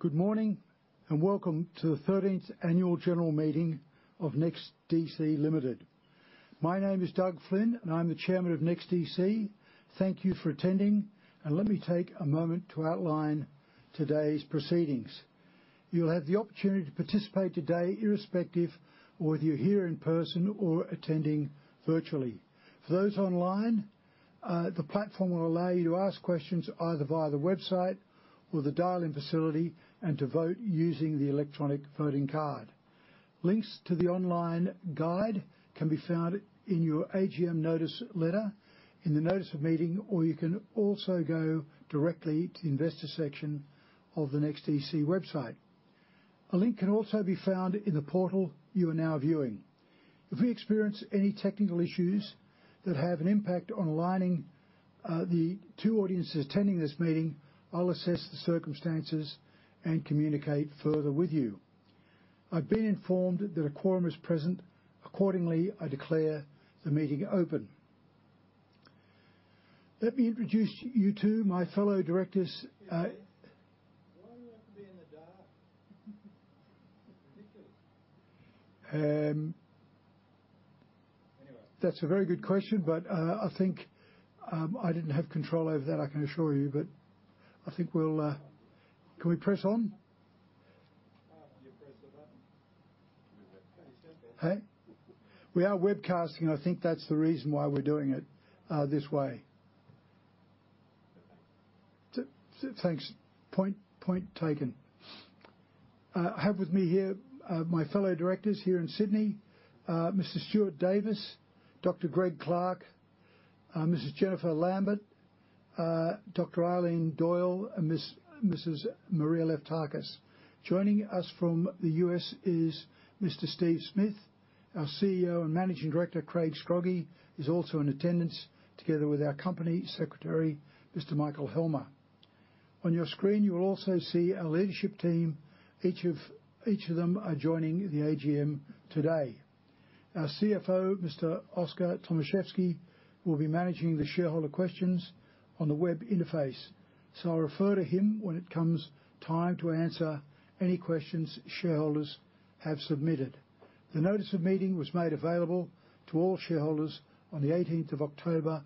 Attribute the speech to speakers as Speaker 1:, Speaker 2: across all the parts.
Speaker 1: Good morning, and welcome to the Thirteenth Annual General Meeting of NEXTDC Limited. My name is Doug Flynn, and I'm the Chairman of NEXTDC. Thank you for attending, and let me take a moment to outline today's proceedings. You'll have the opportunity to participate today, irrespective of whether you're here in person or attending virtually. For those online, the platform will allow you to ask questions either via the website or the dial-in facility and to vote using the electronic voting card. Links to the online guide can be found in your AGM notice letter, in the notice of meeting, or you can also go directly to the investor section of the NEXTDC website. A link can also be found in the portal you are now viewing. If we experience any technical issues that have an impact on aligning, the two audiences attending this meeting, I'll assess the circumstances and communicate further with you. I've been informed that a quorum is present. Accordingly, I declare the meeting open. Let me introduce you to my fellow directors,
Speaker 2: Why do we have to be in the dark? It's ridiculous.
Speaker 1: Um-
Speaker 2: Anyway.
Speaker 1: That's a very good question, but I think I didn't have control over that, I can assure you, but I think we'll... Can we press on?
Speaker 2: You press the button.
Speaker 1: Hey? We are webcasting. I think that's the reason why we're doing it this way. Thanks. Point taken. I have with me here my fellow directors here in Sydney, Mr. Stuart Davis, Dr. Greg Clark, Mrs. Jennifer Lambert, Dr. Eileen Doyle, and Mrs. Maria Leftakis. Joining us from the U.S. is Mr. Steve Smith. Our CEO and Managing Director, Craig Scroggie, is also in attendance, together with our Company Secretary, Mr. Michael Helmer. On your screen, you will also see our leadership team, each of them are joining the AGM today. Our CFO, Mr. Oskar Tomaszewski, will be managing the shareholder questions on the web interface, so I'll refer to him when it comes time to answer any questions shareholders have submitted. The notice of meeting was made available to all shareholders on the 18th of October,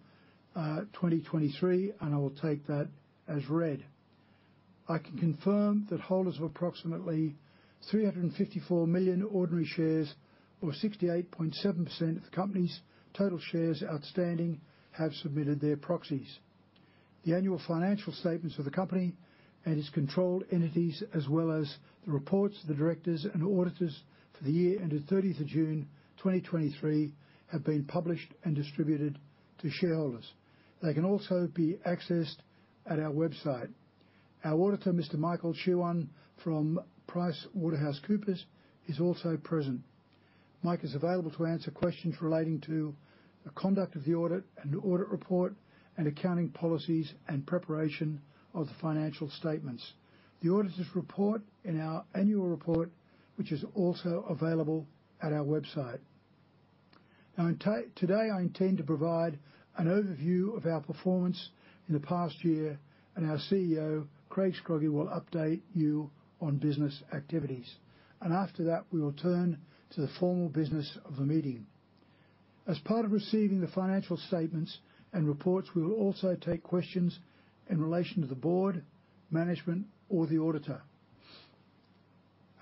Speaker 1: 2023, and I will take that as read. I can confirm that holders of approximately 354 million ordinary shares, or 68.7% of the company's total shares outstanding, have submitted their proxies. The annual financial statements for the company and its controlled entities, as well as the reports of the directors and auditors for the year ended 30th of June, 2023, have been published and distributed to shareholders. They can also be accessed at our website. Our auditor, Mr. Michael Shewan, from PricewaterhouseCoopers, is also present. Mike is available to answer questions relating to the conduct of the audit and audit report and accounting policies and preparation of the financial statements. The auditor's report in our annual report, which is also available at our website. Now, today, I intend to provide an overview of our performance in the past year, and our CEO, Craig Scroggie, will update you on business activities, and after that, we will turn to the formal business of the meeting. As part of receiving the financial statements and reports, we will also take questions in relation to the board, management, or the auditor.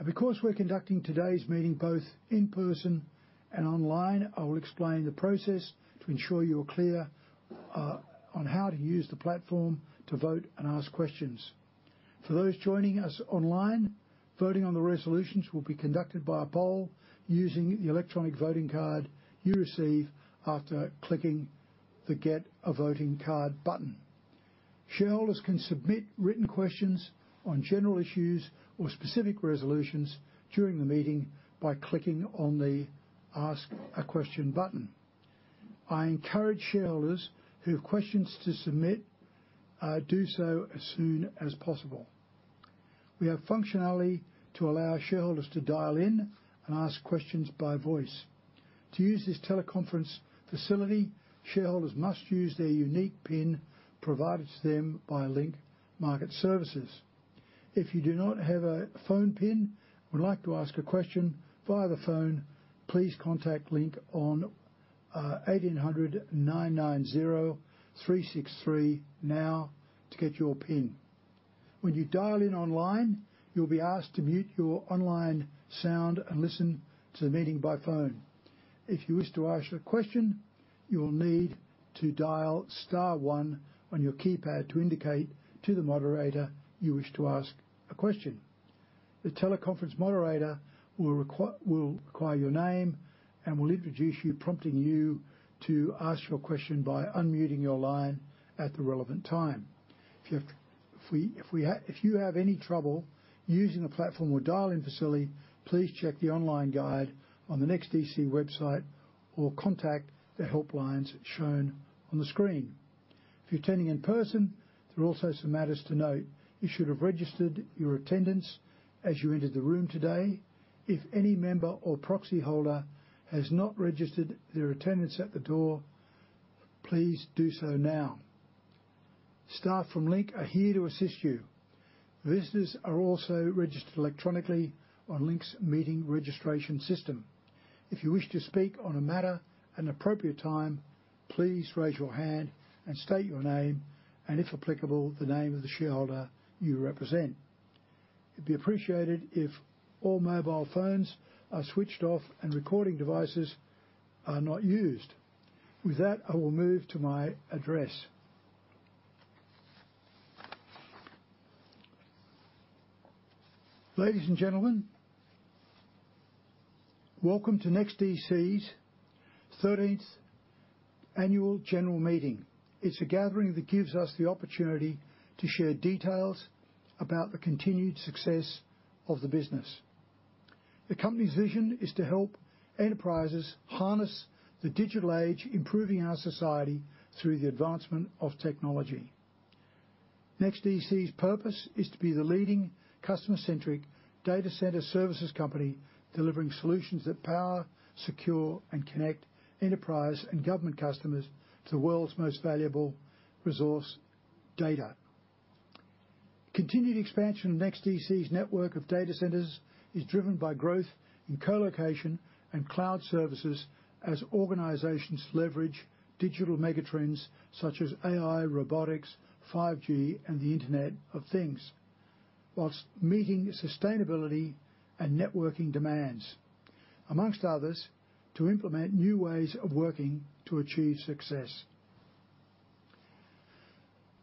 Speaker 1: Because we're conducting today's meeting both in person and online, I will explain the process to ensure you are clear on how to use the platform to vote and ask questions. For those joining us online, voting on the resolutions will be conducted by a poll using the electronic voting card you receive after clicking the Get a Voting Card button. Shareholders can submit written questions on general issues or specific resolutions during the meeting by clicking on the Ask a Question button. I encourage shareholders who have questions to submit, do so as soon as possible. We have functionality to allow shareholders to dial in and ask questions by voice. To use this teleconference facility, shareholders must use their unique pin provided to them by Link Market Services. If you do not have a phone pin and would like to ask a question via the phone, please contact Link on 1800 993 633 now to get your pin. When you dial in online, you'll be asked to mute your online sound and listen to the meeting by phone. If you wish to ask a question, you will need to dial star one on your keypad to indicate to the moderator you wish to ask a question. The teleconference moderator will require your name and will introduce you, prompting you to ask your question by unmuting your line at the relevant time. If you have any trouble using the platform or dial-in facility, please check the online guide on the NEXTDC website or contact the help lines shown on the screen. If you're attending in person, there are also some matters to note. You should have registered your attendance as you entered the room today. If any member or proxy holder has not registered their attendance at the door, please do so now. Staff from Link are here to assist you. Visitors are also registered electronically on Link's meeting registration system. If you wish to speak on a matter at an appropriate time, please raise your hand and state your name, and, if applicable, the name of the shareholder you represent. It'd be appreciated if all mobile phones are switched off and recording devices are not used. With that, I will move to my address. Ladies and gentlemen, welcome to NEXTDC's Thirteenth Annual General Meeting. It's a gathering that gives us the opportunity to share details about the continued success of the business. The company's vision is to help enterprises harness the digital age, improving our society through the advancement of technology. NEXTDC's purpose is to be the leading customer-centric data center services company, delivering solutions that power, secure, and connect enterprise and government customers to the world's most valuable resource: data. Continued expansion of NEXTDC's network of data centers is driven by growth in colocation and cloud services as organizations leverage digital megatrends such as AI, robotics, 5G, and the Internet of Things, while meeting sustainability and networking demands, among others, to implement new ways of working to achieve success.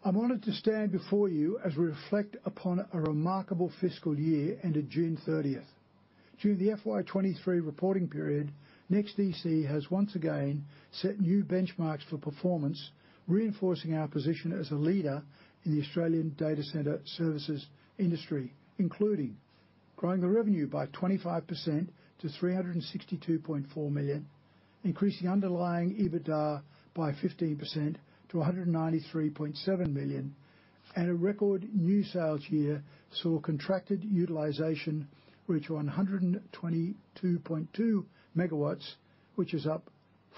Speaker 1: I'm honored to stand before you as we reflect upon a remarkable fiscal year ended June 30. Through the FY 2023 reporting period, NEXTDC has once again set new benchmarks for performance, reinforcing our position as a leader in the Australian data center services industry, including growing the revenue by 25% to 362.4 million, increasing underlying EBITDA by 15% to 193.7 million, and a record new sales year saw contracted utilization reach 122.2 MW, which is up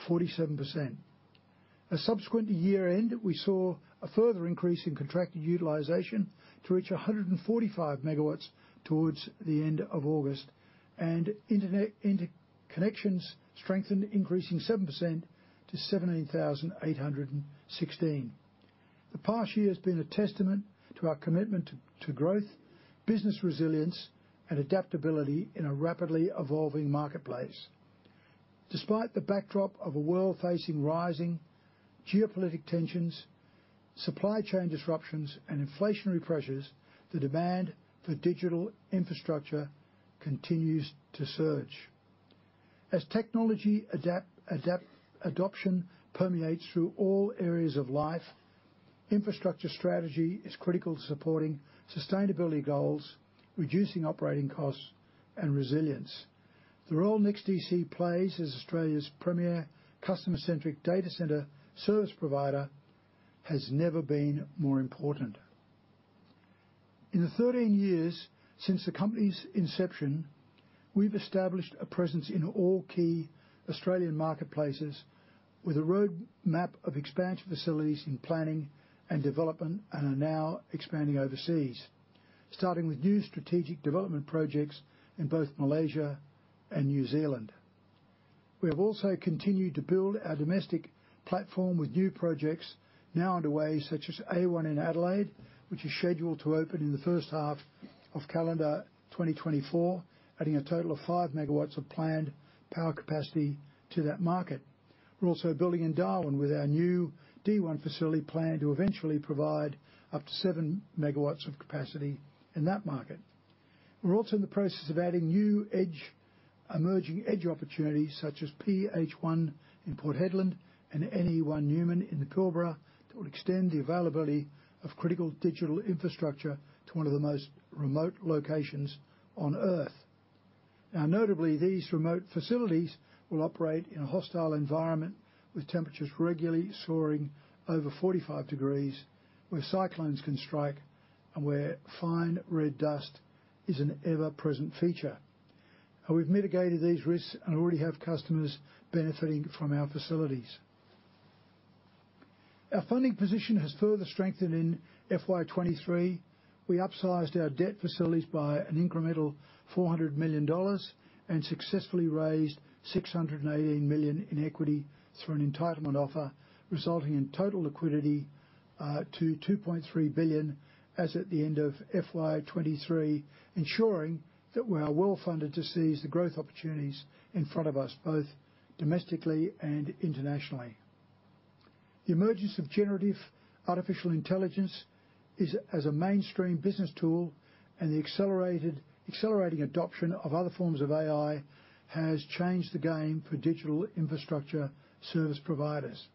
Speaker 1: 47%. At subsequent year-end, we saw a further increase in contracted utilization to reach 145 MW towards the end of August, and internet interconnections strengthened, increasing 7% to 17,816. The past year has been a testament to our commitment to growth, business resilience, and adaptability in a rapidly evolving marketplace. Despite the backdrop of a world facing rising geopolitical tensions, supply chain disruptions, and inflationary pressures, the demand for digital infrastructure continues to surge. As technology adoption permeates through all areas of life, infrastructure strategy is critical to supporting sustainability goals, reducing operating costs and resilience. The role NEXTDC plays as Australia's premier customer-centric data center service provider has never been more important. In the 13 years since the company's inception, we've established a presence in all key Australian marketplaces with a roadmap of expansion facilities in planning and development, and are now expanding overseas, starting with new strategic development projects in both Malaysia and New Zealand. We have also continued to build our domestic platform with new projects now underway, such as A1 in Adelaide, which is scheduled to open in the first half of calendar 2024, adding a total of 5 MW of planned power capacity to that market. We're also building in Darwin with our new D1 facility, planned to eventually provide up to 7 MW of capacity in that market. We're also in the process of adding new emerging edge opportunities, such as PH1 in Port Hedland and NE1 in Newman in the Pilbara, that will extend the availability of critical digital infrastructure to one of the most remote locations on Earth. Now, notably, these remote facilities will operate in a hostile environment, with temperatures regularly soaring over 45 degrees, where cyclones can strike and where fine red dust is an ever-present feature. Now, we've mitigated these risks and already have customers benefiting from our facilities. Our funding position has further strengthened in FY 2023. We upsized our debt facilities by an incremental 400 million dollars and successfully raised 618 million in equity through an entitlement offer, resulting in total liquidity to 2.3 billion as at the end of FY 2023, ensuring that we are well-funded to seize the growth opportunities in front of us, both domestically and internationally. The emergence of generative artificial intelligence is as a mainstream business tool, and the accelerated, accelerating adoption of other forms of AI has changed the game for digital infrastructure service providers.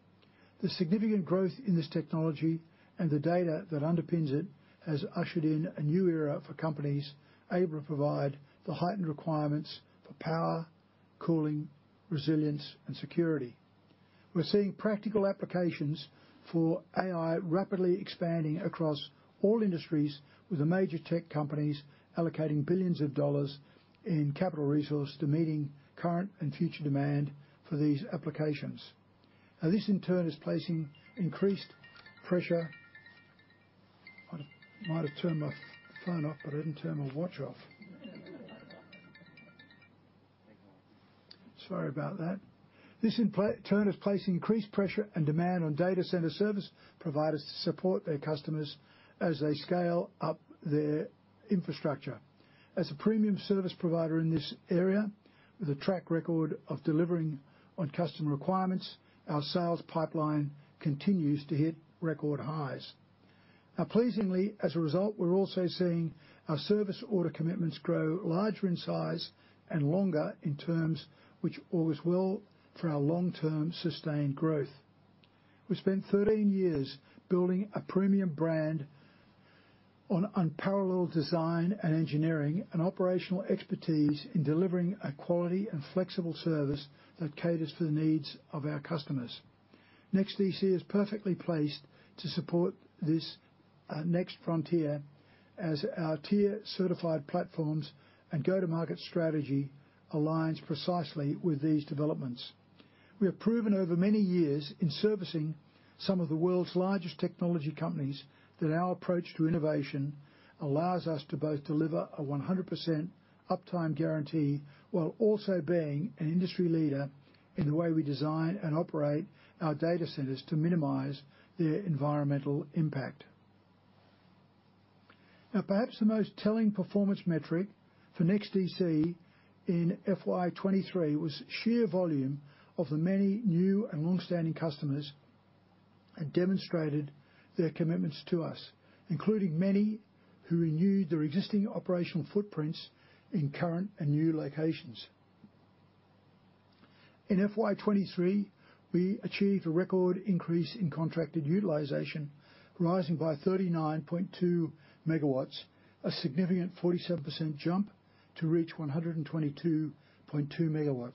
Speaker 1: The significant growth in this technology and the data that underpins it has ushered in a new era for companies able to provide the heightened requirements for power, cooling, resilience, and security. We're seeing practical applications for AI rapidly expanding across all industries, with the major tech companies allocating billions of dollars in capital resource to meeting current and future demand for these applications. Now, this in turn, is placing increased pressure. I might have turned my phone off, but I didn't turn my watch off. Sorry about that. This in turn, is placing increased pressure and demand on data center service providers to support their customers as they scale up their infrastructure. As a premium service provider in this area, with a track record of delivering on customer requirements, our sales pipeline continues to hit record highs. Now, pleasingly, as a result, we're also seeing our service order commitments grow larger in size and longer in terms which bodes well for our long-term sustained growth. We spent 13 years building a premium brand on unparalleled design and engineering, and operational expertise in delivering a quality and flexible service that caters to the needs of our customers. NEXTDC is perfectly placed to support this, next frontier as our tier-certified platforms and go-to-market strategy aligns precisely with these developments. We have proven over many years in servicing some of the world's largest technology companies, that our approach to innovation allows us to both deliver a 100% uptime guarantee, while also being an industry leader in the way we design and operate our data centers to minimize their environmental impact. Now, perhaps the most telling performance metric for NEXTDC in FY 2023 was sheer volume of the many new and long-standing customers, and demonstrated their commitments to us, including many who renewed their existing operational footprints in current and new locations. In FY 2023, we achieved a record increase in contracted utilization, rising by 39.2 MW, a significant 47% jump to reach 122.2 MW.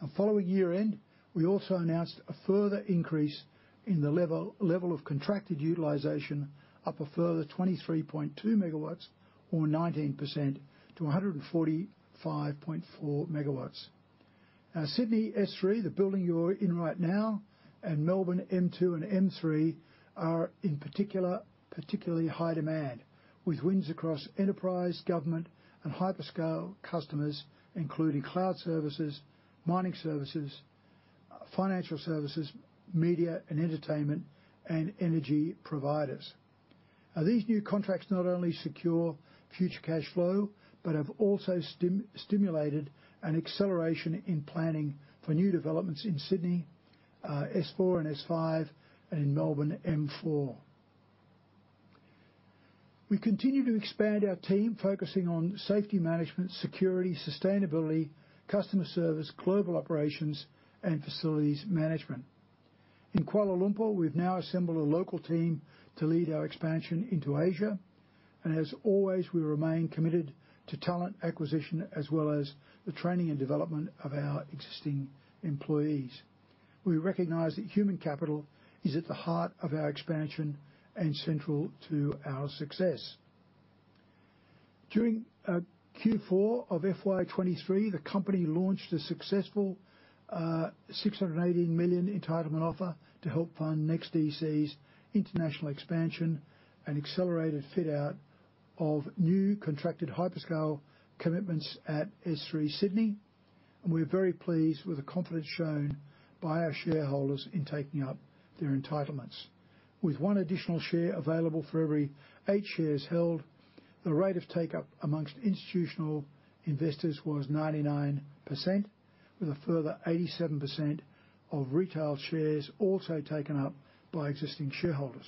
Speaker 1: Now, following year-end, we also announced a further increase in the level of contracted utilization, up a further 23.2 MW or 19% to 145.4 MW. Now, Sydney S3, the building you're in right now, and Melbourne M2 and M3, are particularly high demand, with wins across enterprise, government, and hyperscale customers, including cloud services, mining services, financial services, media and entertainment, and energy providers. Now, these new contracts not only secure future cash flow, but have also stimulated an acceleration in planning for new developments in Sydney, S4 and S5, and in Melbourne, M4. We continue to expand our team, focusing on safety management, security, sustainability, customer service, global operations, and facilities management. In Kuala Lumpur, we've now assembled a local team to lead our expansion into Asia, and as always, we remain committed to talent acquisition as well as the training and development of our existing employees. We recognize that human capital is at the heart of our expansion and central to our success. During Q4 of FY 2023, the company launched a successful 618 million entitlement offer to help fund NEXTDC's international expansion and accelerated fit out of new contracted hyperscale commitments at S3 Sydney. We're very pleased with the confidence shown by our shareholders in taking up their entitlements. With one additional share available for every eight shares held, the rate of take-up among institutional investors was 99%, with a further 87% of retail shares also taken up by existing shareholders.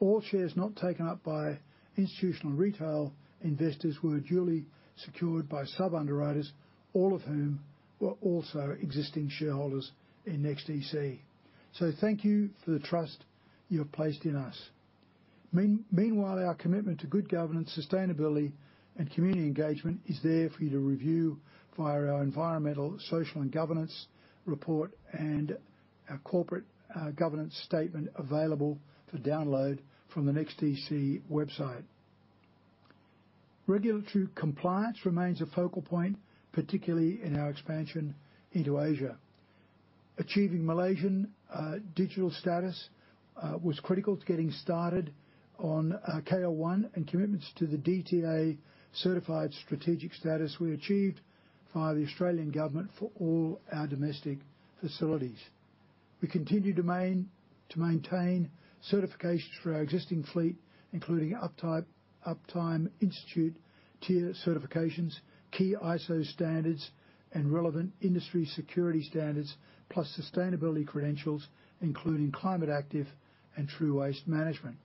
Speaker 1: All shares not taken up by institutional retail investors were duly secured by sub-underwriters, all of whom were also existing shareholders in NEXTDC. So thank you for the trust you have placed in us. Meanwhile, our commitment to good governance, sustainability, and community engagement is there for you to review via our environmental, social, and governance report, and our corporate governance statement available for download from the NEXTDC website. Regulatory compliance remains a focal point, particularly in our expansion into Asia. Achieving Malaysian Digital Status was critical to getting started on KL1, and commitments to the DTA Certified Strategic status we achieved via the Australian government for all our domestic facilities. We continue to maintain certifications for our existing fleet, including Uptime Institute tier certifications, key ISO standards, and relevant industry security standards, plus sustainability credentials, including Climate Active and TRUE waste management.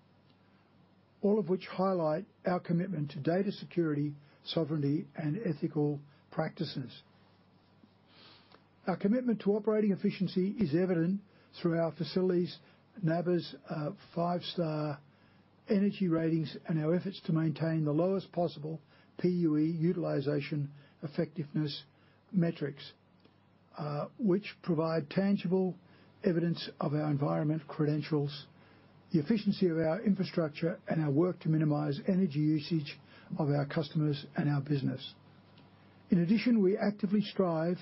Speaker 1: All of which highlight our commitment to data security, sovereignty, and ethical practices. Our commitment to operating efficiency is evident through our facilities' NABERS five-star energy ratings and our efforts to maintain the lowest possible PUE utilization effectiveness metrics, which provide tangible evidence of our environmental credentials, the efficiency of our infrastructure, and our work to minimize energy usage of our customers and our business. In addition, we actively strive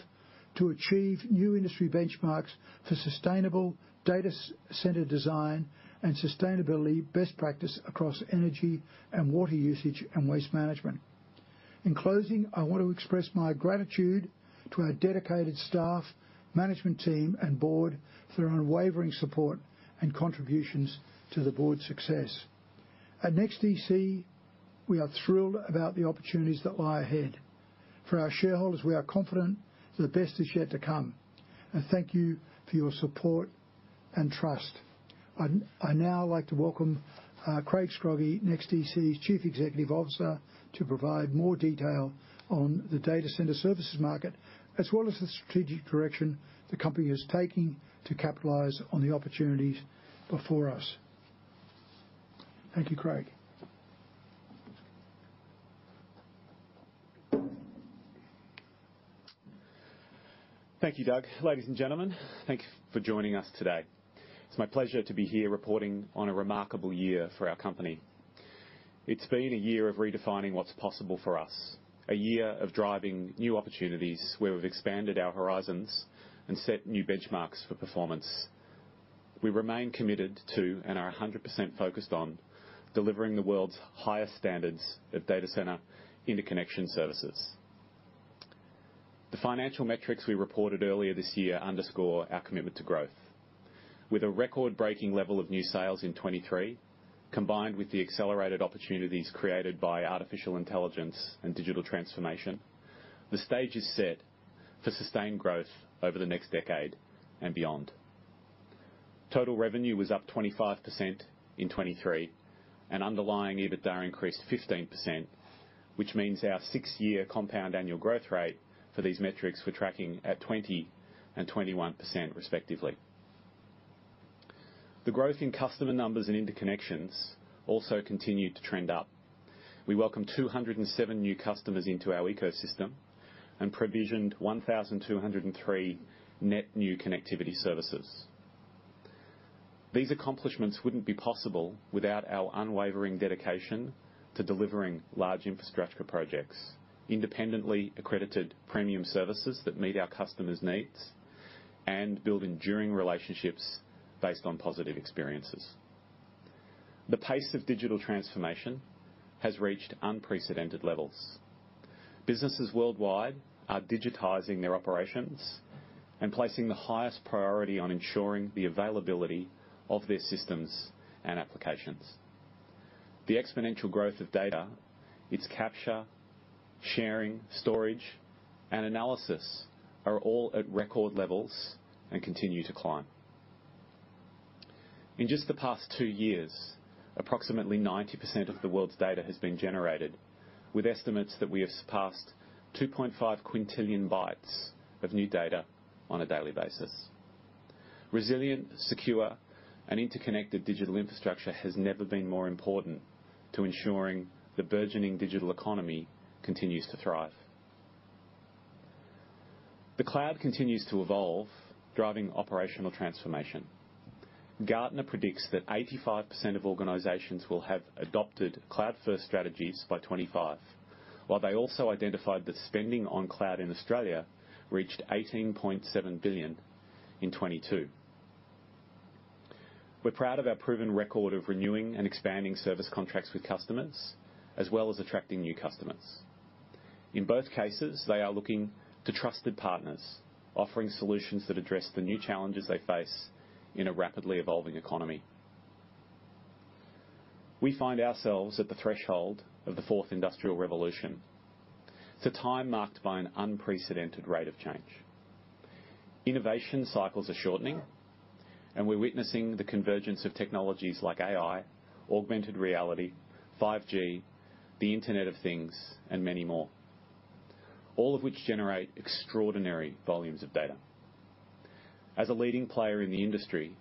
Speaker 1: to achieve new industry benchmarks for sustainable data center design and sustainability best practice across energy and water usage and waste management. In closing, I want to express my gratitude to our dedicated staff, management team, and board for their unwavering support and contributions to the board's success. At NEXTDC, we are thrilled about the opportunities that lie ahead. For our shareholders, we are confident that the best is yet to come, and thank you for your support and trust. I now like to welcome Craig Scroggie, NEXTDC's Chief Executive Officer, to provide more detail on the data center services market, as well as the strategic direction the company is taking to capitalize on the opportunities before us.
Speaker 2: Thank you, Craig.
Speaker 3: Thank you, Doug. Ladies and gentlemen, thank you for joining us today. It's my pleasure to be here reporting on a remarkable year for our company. It's been a year of redefining what's possible for us, a year of driving new opportunities, where we've expanded our horizons and set new benchmarks for performance. We remain committed to, and are 100% focused on, delivering the world's highest standards of data center interconnection services. The financial metrics we reported earlier this year underscore our commitment to growth. With a record-breaking level of new sales in 2023, combined with the accelerated opportunities created by artificial intelligence and digital transformation, the stage is set for sustained growth over the next decade and beyond. Total revenue was up 25% in 2023, and underlying EBITDA increased 15%, which means our six-year compound annual growth rate for these metrics were tracking at 20% and 21%, respectively. The growth in customer numbers and interconnections also continued to trend up. We welcomed 207 new customers into our ecosystem, and provisioned 1,203 net new connectivity services. These accomplishments wouldn't be possible without our unwavering dedication to delivering large infrastructure projects, independently accredited premium services that meet our customers' needs, and build enduring relationships based on positive experiences. The pace of digital transformation has reached unprecedented levels. Businesses worldwide are digitizing their operations and placing the highest priority on ensuring the availability of their systems and applications. The exponential growth of data, its capture, sharing, storage, and analysis, are all at record levels and continue to climb. In just the past two years, approximately 90% of the world's data has been generated, with estimates that we have surpassed 2.5 quintillion bytes of new data on a daily basis. Resilient, secure, and interconnected digital infrastructure has never been more important to ensuring the burgeoning digital economy continues to thrive. The cloud continues to evolve, driving operational transformation. Gartner predicts that 85% of organizations will have adopted cloud-first strategies by 2025, while they also identified that spending on cloud in Australia reached 18.7 billion in 2022. We're proud of our proven record of renewing and expanding service contracts with customers, as well as attracting new customers. In both cases, they are looking to trusted partners, offering solutions that address the new challenges they face in a rapidly evolving economy. We find ourselves at the threshold of the fourth industrial revolution. It's a time marked by an unprecedented rate of change. Innovation cycles are shortening, and we're witnessing the convergence of technologies like AI, augmented reality, 5G, the Internet of Things, and many more, all of which generate extraordinary volumes of data. As a leading player in the industry,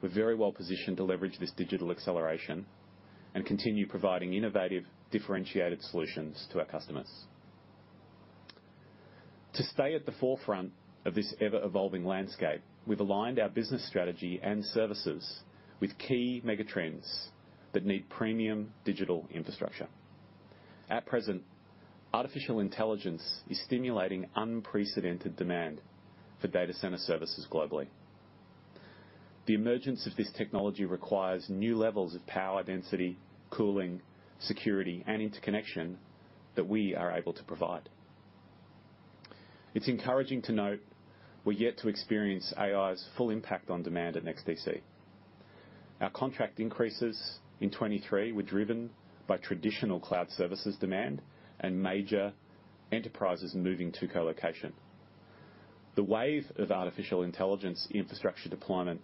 Speaker 3: we're very well positioned to leverage this digital acceleration and continue providing innovative, differentiated solutions to our customers. To stay at the forefront of this ever-evolving landscape, we've aligned our business strategy and services with key mega trends that need premium digital infrastructure. At present, artificial intelligence is stimulating unprecedented demand for data center services globally. The emergence of this technology requires new levels of power, density, cooling, security, and interconnection that we are able to provide. It's encouraging to note we're yet to experience AI's full impact on demand at NEXTDC. Our contract increases in 2023 were driven by traditional cloud services demand and major enterprises moving to colocation. The wave of artificial intelligence infrastructure deployment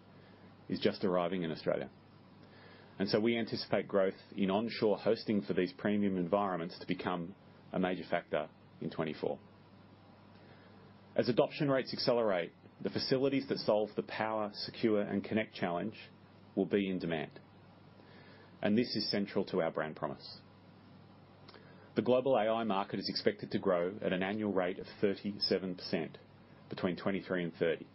Speaker 3: is just arriving in Australia, and so we anticipate growth in onshore hosting for these premium environments to become a major factor in 2024. As adoption rates accelerate, the facilities that solve the power, secure, and connect challenge will be in demand, and this is central to our brand promise. The global AI market is expected to grow at an annual rate of 37% between 2023 and 2030.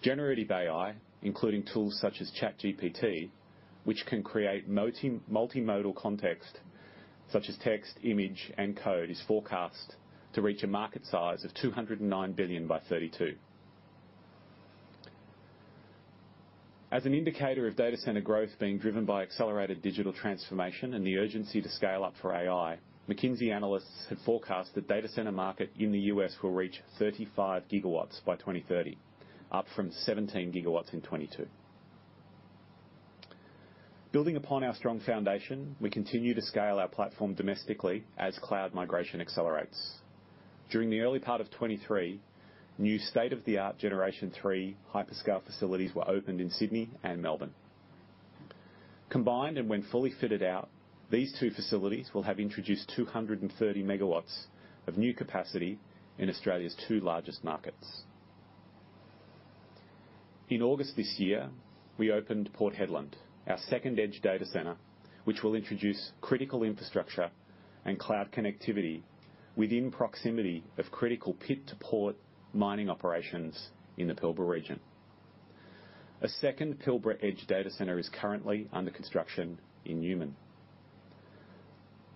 Speaker 3: Generative AI, including tools such as ChatGPT, which can create multi-modal content such as text, image, and code, is forecast to reach a market size of $209 billion by 2032. As an indicator of data center growth being driven by accelerated digital transformation and the urgency to scale up for AI, McKinsey analysts had forecast the data center market in the U.S. will reach 35 GW by 2030, up from 17 GW in 2022. Building upon our strong foundation, we continue to scale our platform domestically as cloud migration accelerates. During the early part of 2023, new state-of-the-art generation three hyperscale facilities were opened in Sydney and Melbourne. Combined, and when fully fitted out, these two facilities will have introduced 230 MW of new capacity in Australia's two largest markets. In August this year, we opened Port Hedland, our second Edge data center, which will introduce critical infrastructure and cloud connectivity within proximity of critical pit-to-port mining operations in the Pilbara region. A second Pilbara Edge data center is currently under construction in Newman.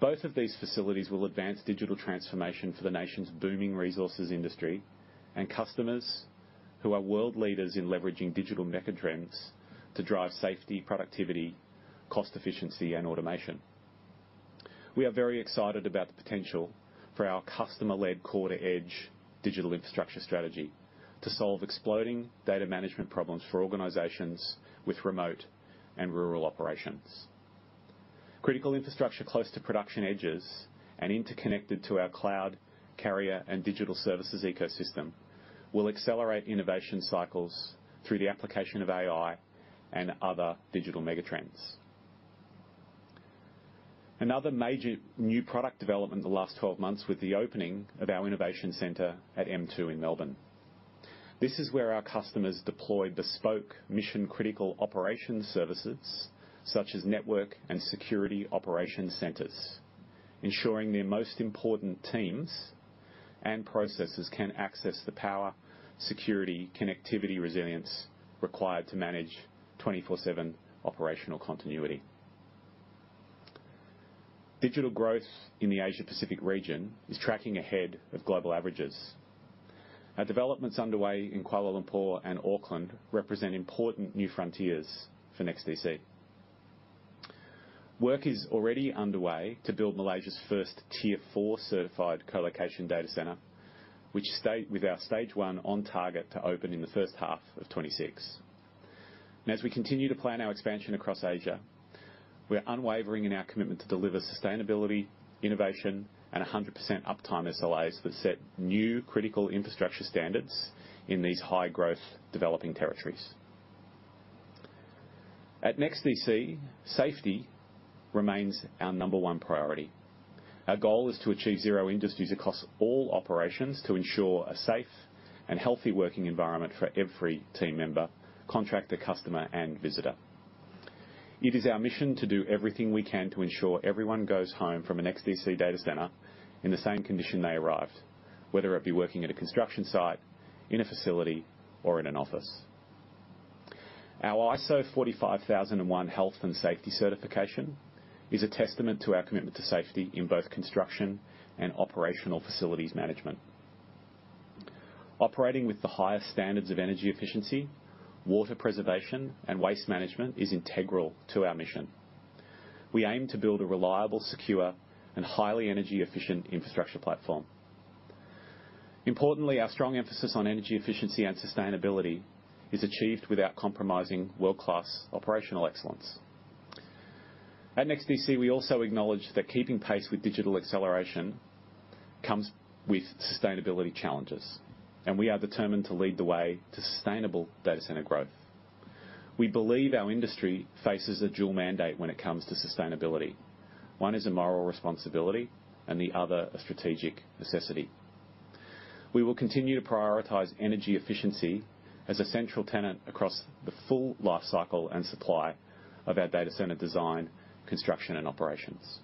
Speaker 3: Both of these facilities will advance digital transformation for the nation's booming resources industry and customers who are world leaders in leveraging digital megatrends to drive safety, productivity, cost efficiency, and automation. We are very excited about the potential for our customer-led core-to-edge digital infrastructure strategy to solve exploding data management problems for organizations with remote and rural operations. Critical infrastructure close to production edges and interconnected to our cloud carrier and digital services ecosystem, will accelerate innovation cycles through the application of AI and other digital megatrends. Another major new product development in the last 12 months, with the opening of our innovation center at M2 in Melbourne. This is where our customers deploy bespoke mission-critical operations services such as network and security operation centers, ensuring their most important teams and processes can access the power, security, connectivity, resilience required to manage 24/7 operational continuity. Digital growth in the Asia Pacific region is tracking ahead of global averages. Our developments underway in Kuala Lumpur and Auckland represent important new frontiers for NEXTDC. Work is already underway to build Malaysia's first Tier IV certified colocation data center, which, with our stage one on target to open in the first half of 2026. And as we continue to plan our expansion across Asia, we are unwavering in our commitment to deliver sustainability, innovation, and 100% uptime SLAs that set new critical infrastructure standards in these high-growth, developing territories. At NEXTDC, safety remains our number one priority. Our goal is to achieve zero injuries across all operations to ensure a safe and healthy working environment for every team member, contractor, customer, and visitor. It is our mission to do everything we can to ensure everyone goes home from a NEXTDC data center in the same condition they arrived, whether it be working at a construction site, in a facility, or in an office. Our ISO 45001 health and safety certification is a testament to our commitment to safety in both construction and operational facilities management. Operating with the highest standards of energy efficiency, water preservation, and waste management is integral to our mission. We aim to build a reliable, secure, and highly energy-efficient infrastructure platform. Importantly, our strong emphasis on energy efficiency and sustainability is achieved without compromising world-class operational excellence. At NEXTDC, we also acknowledge that keeping pace with digital acceleration comes with sustainability challenges, and we are determined to lead the way to sustainable data center growth. We believe our industry faces a dual mandate when it comes to sustainability. One is a moral responsibility and the other, a strategic necessity. We will continue to prioritize energy efficiency as a central tenet across the full life cycle and supply of our data center design, construction, and operations.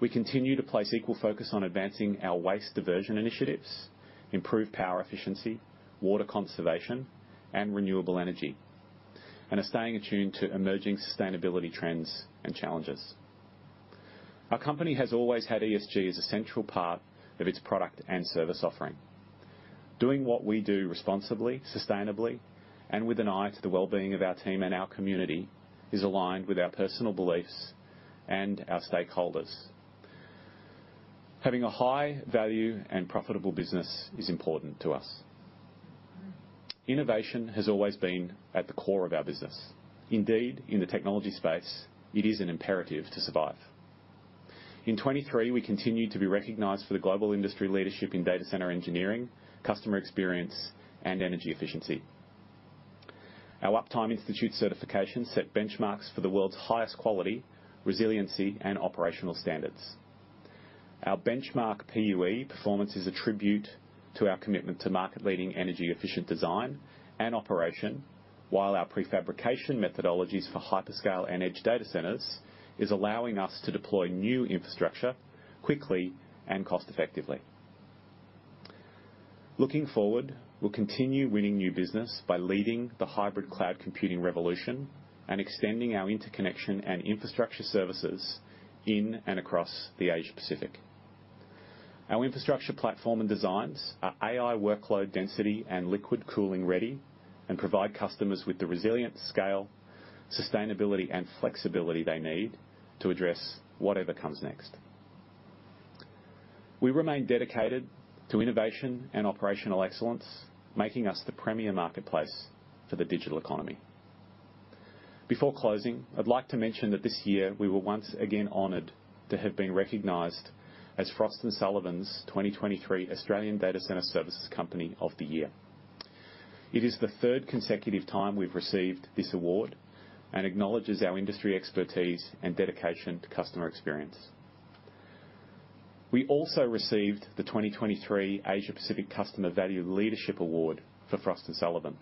Speaker 3: We continue to place equal focus on advancing our waste diversion initiatives, improve power efficiency, water conservation, and renewable energy, and are staying attuned to emerging sustainability trends and challenges. Our company has always had ESG as a central part of its product and service offering. Doing what we do responsibly, sustainably, and with an eye to the well-being of our team and our community, is aligned with our personal beliefs and our stakeholders. Having a high value and profitable business is important to us. Innovation has always been at the core of our business. Indeed, in the technology space, it is an imperative to survive. In 2023, we continued to be recognized for the global industry leadership in data center engineering, customer experience, and energy efficiency. Our Uptime Institute certification set benchmarks for the world's highest quality, resiliency, and operational standards. Our benchmark PUE performance is a tribute to our commitment to market-leading energy efficient design and operation, while our prefabrication methodologies for hyperscale and edge data centers is allowing us to deploy new infrastructure quickly and cost effectively. Looking forward, we'll continue winning new business by leading the hybrid cloud computing revolution and extending our interconnection and infrastructure services in and across the Asia Pacific. Our infrastructure platform and designs are AI workload density and liquid cooling ready, and provide customers with the resilient scale, sustainability, and flexibility they need to address whatever comes next. We remain dedicated to innovation and operational excellence, making us the premier marketplace for the digital economy. Before closing, I'd like to mention that this year we were once again honored to have been recognized as Frost & Sullivan's 2023 Australian Data Center Services Company of the Year. It is the third consecutive time we've received this award, and acknowledges our industry expertise and dedication to customer experience. We also received the 2023 Asia Pacific Customer Value Leadership Award for Frost & Sullivan,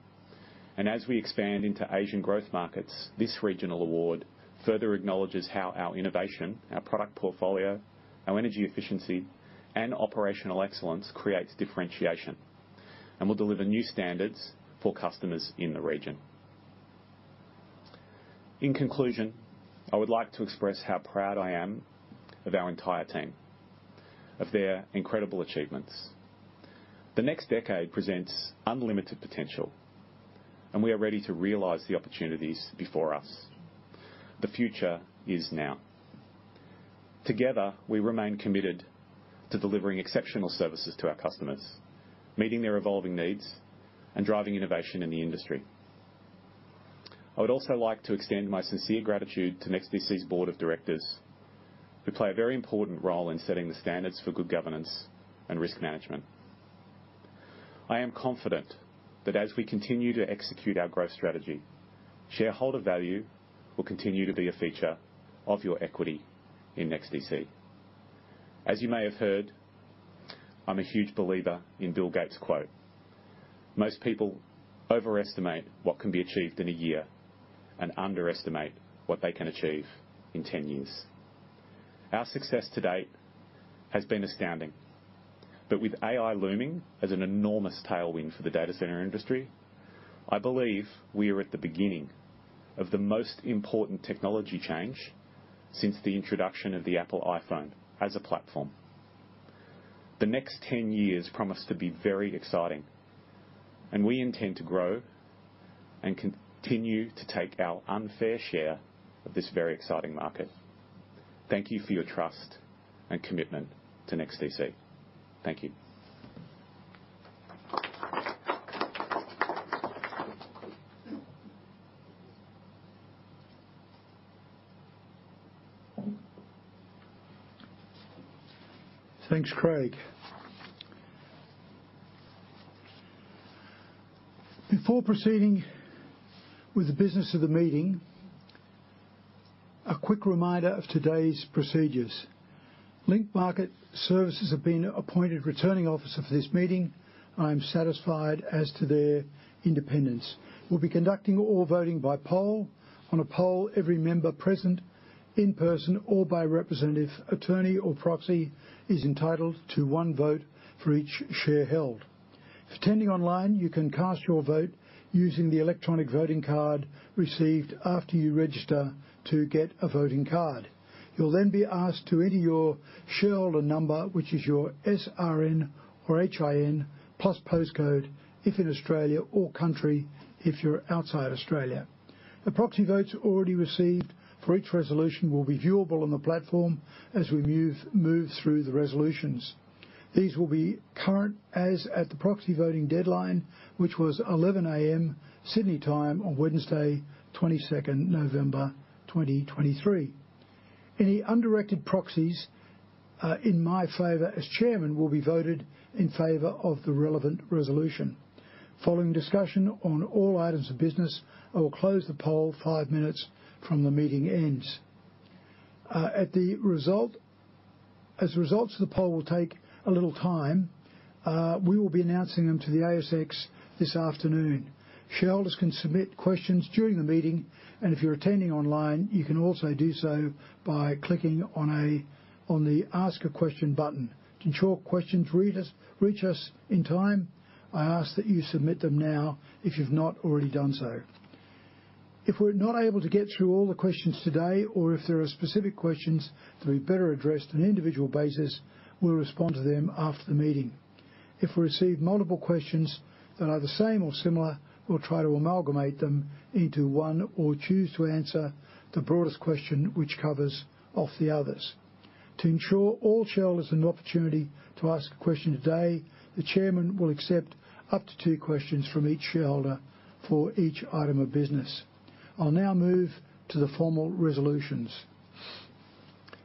Speaker 3: and as we expand into Asian growth markets, this regional award further acknowledges how our innovation, our product portfolio, our energy efficiency, and operational excellence creates differentiation and will deliver new standards for customers in the region. In conclusion, I would like to express how proud I am of our entire team, of their incredible achievements. The next decade presents unlimited potential, and we are ready to realize the opportunities before us. The future is now. Together, we remain committed to delivering exceptional services to our customers, meeting their evolving needs, and driving innovation in the industry. I would also like to extend my sincere gratitude to NEXTDC's Board of Directors, who play a very important role in setting the standards for good governance and risk management. I am confident that as we continue to execute our growth strategy, shareholder value will continue to be a feature of your equity in NEXTDC. As you may have heard, I'm a huge believer in Bill Gates' quote: "Most people overestimate what can be achieved in a year and underestimate what they can achieve in 10 years." Our success to date has been astounding, but with AI looming as an enormous tailwind for the data center industry, I believe we are at the beginning of the most important technology change since the introduction of the Apple iPhone as a platform. The next 10 years promise to be very exciting, and we intend to grow and continue to take our unfair share of this very exciting market. Thank you for your trust and commitment to NEXTDC. Thank you.
Speaker 1: Thanks, Craig. Before proceeding with the business of the meeting, a quick reminder of today's procedures. Link Market Services have been appointed Returning Officer for this meeting. I am satisfied as to their independence. We'll be conducting all voting by poll. On a poll, every member present, in person or by representative, attorney, or proxy, is entitled to one vote for each share held. If attending online, you can cast your vote using the electronic voting card received after you register to get a voting card. You'll then be asked to enter your shareholder number, which is your SRN or HIN, plus post code if in Australia or country, if you're outside Australia. The proxy votes already received for each resolution will be viewable on the platform as we move through the resolutions. These will be current as at the proxy voting deadline, which was 11 A.M. Sydney time on Wednesday, 22nd November 2023. Any undirected proxies in my favor as chairman will be voted in favor of the relevant resolution. Following discussion on all items of business, I will close the poll five minutes from the meeting ends. As results of the poll will take a little time, we will be announcing them to the ASX this afternoon. Shareholders can submit questions during the meeting, and if you're attending online, you can also do so by clicking on the Ask a Question button. To ensure questions reach us in time, I ask that you submit them now if you've not already done so. If we're not able to get through all the questions today, or if there are specific questions to be better addressed on an individual basis, we'll respond to them after the meeting. If we receive multiple questions that are the same or similar, we'll try to amalgamate them into one or choose to answer the broadest question, which covers off the others. To ensure all shareholders an opportunity to ask a question today, the chairman will accept up to two questions from each shareholder for each item of business. I'll now move to the formal resolutions.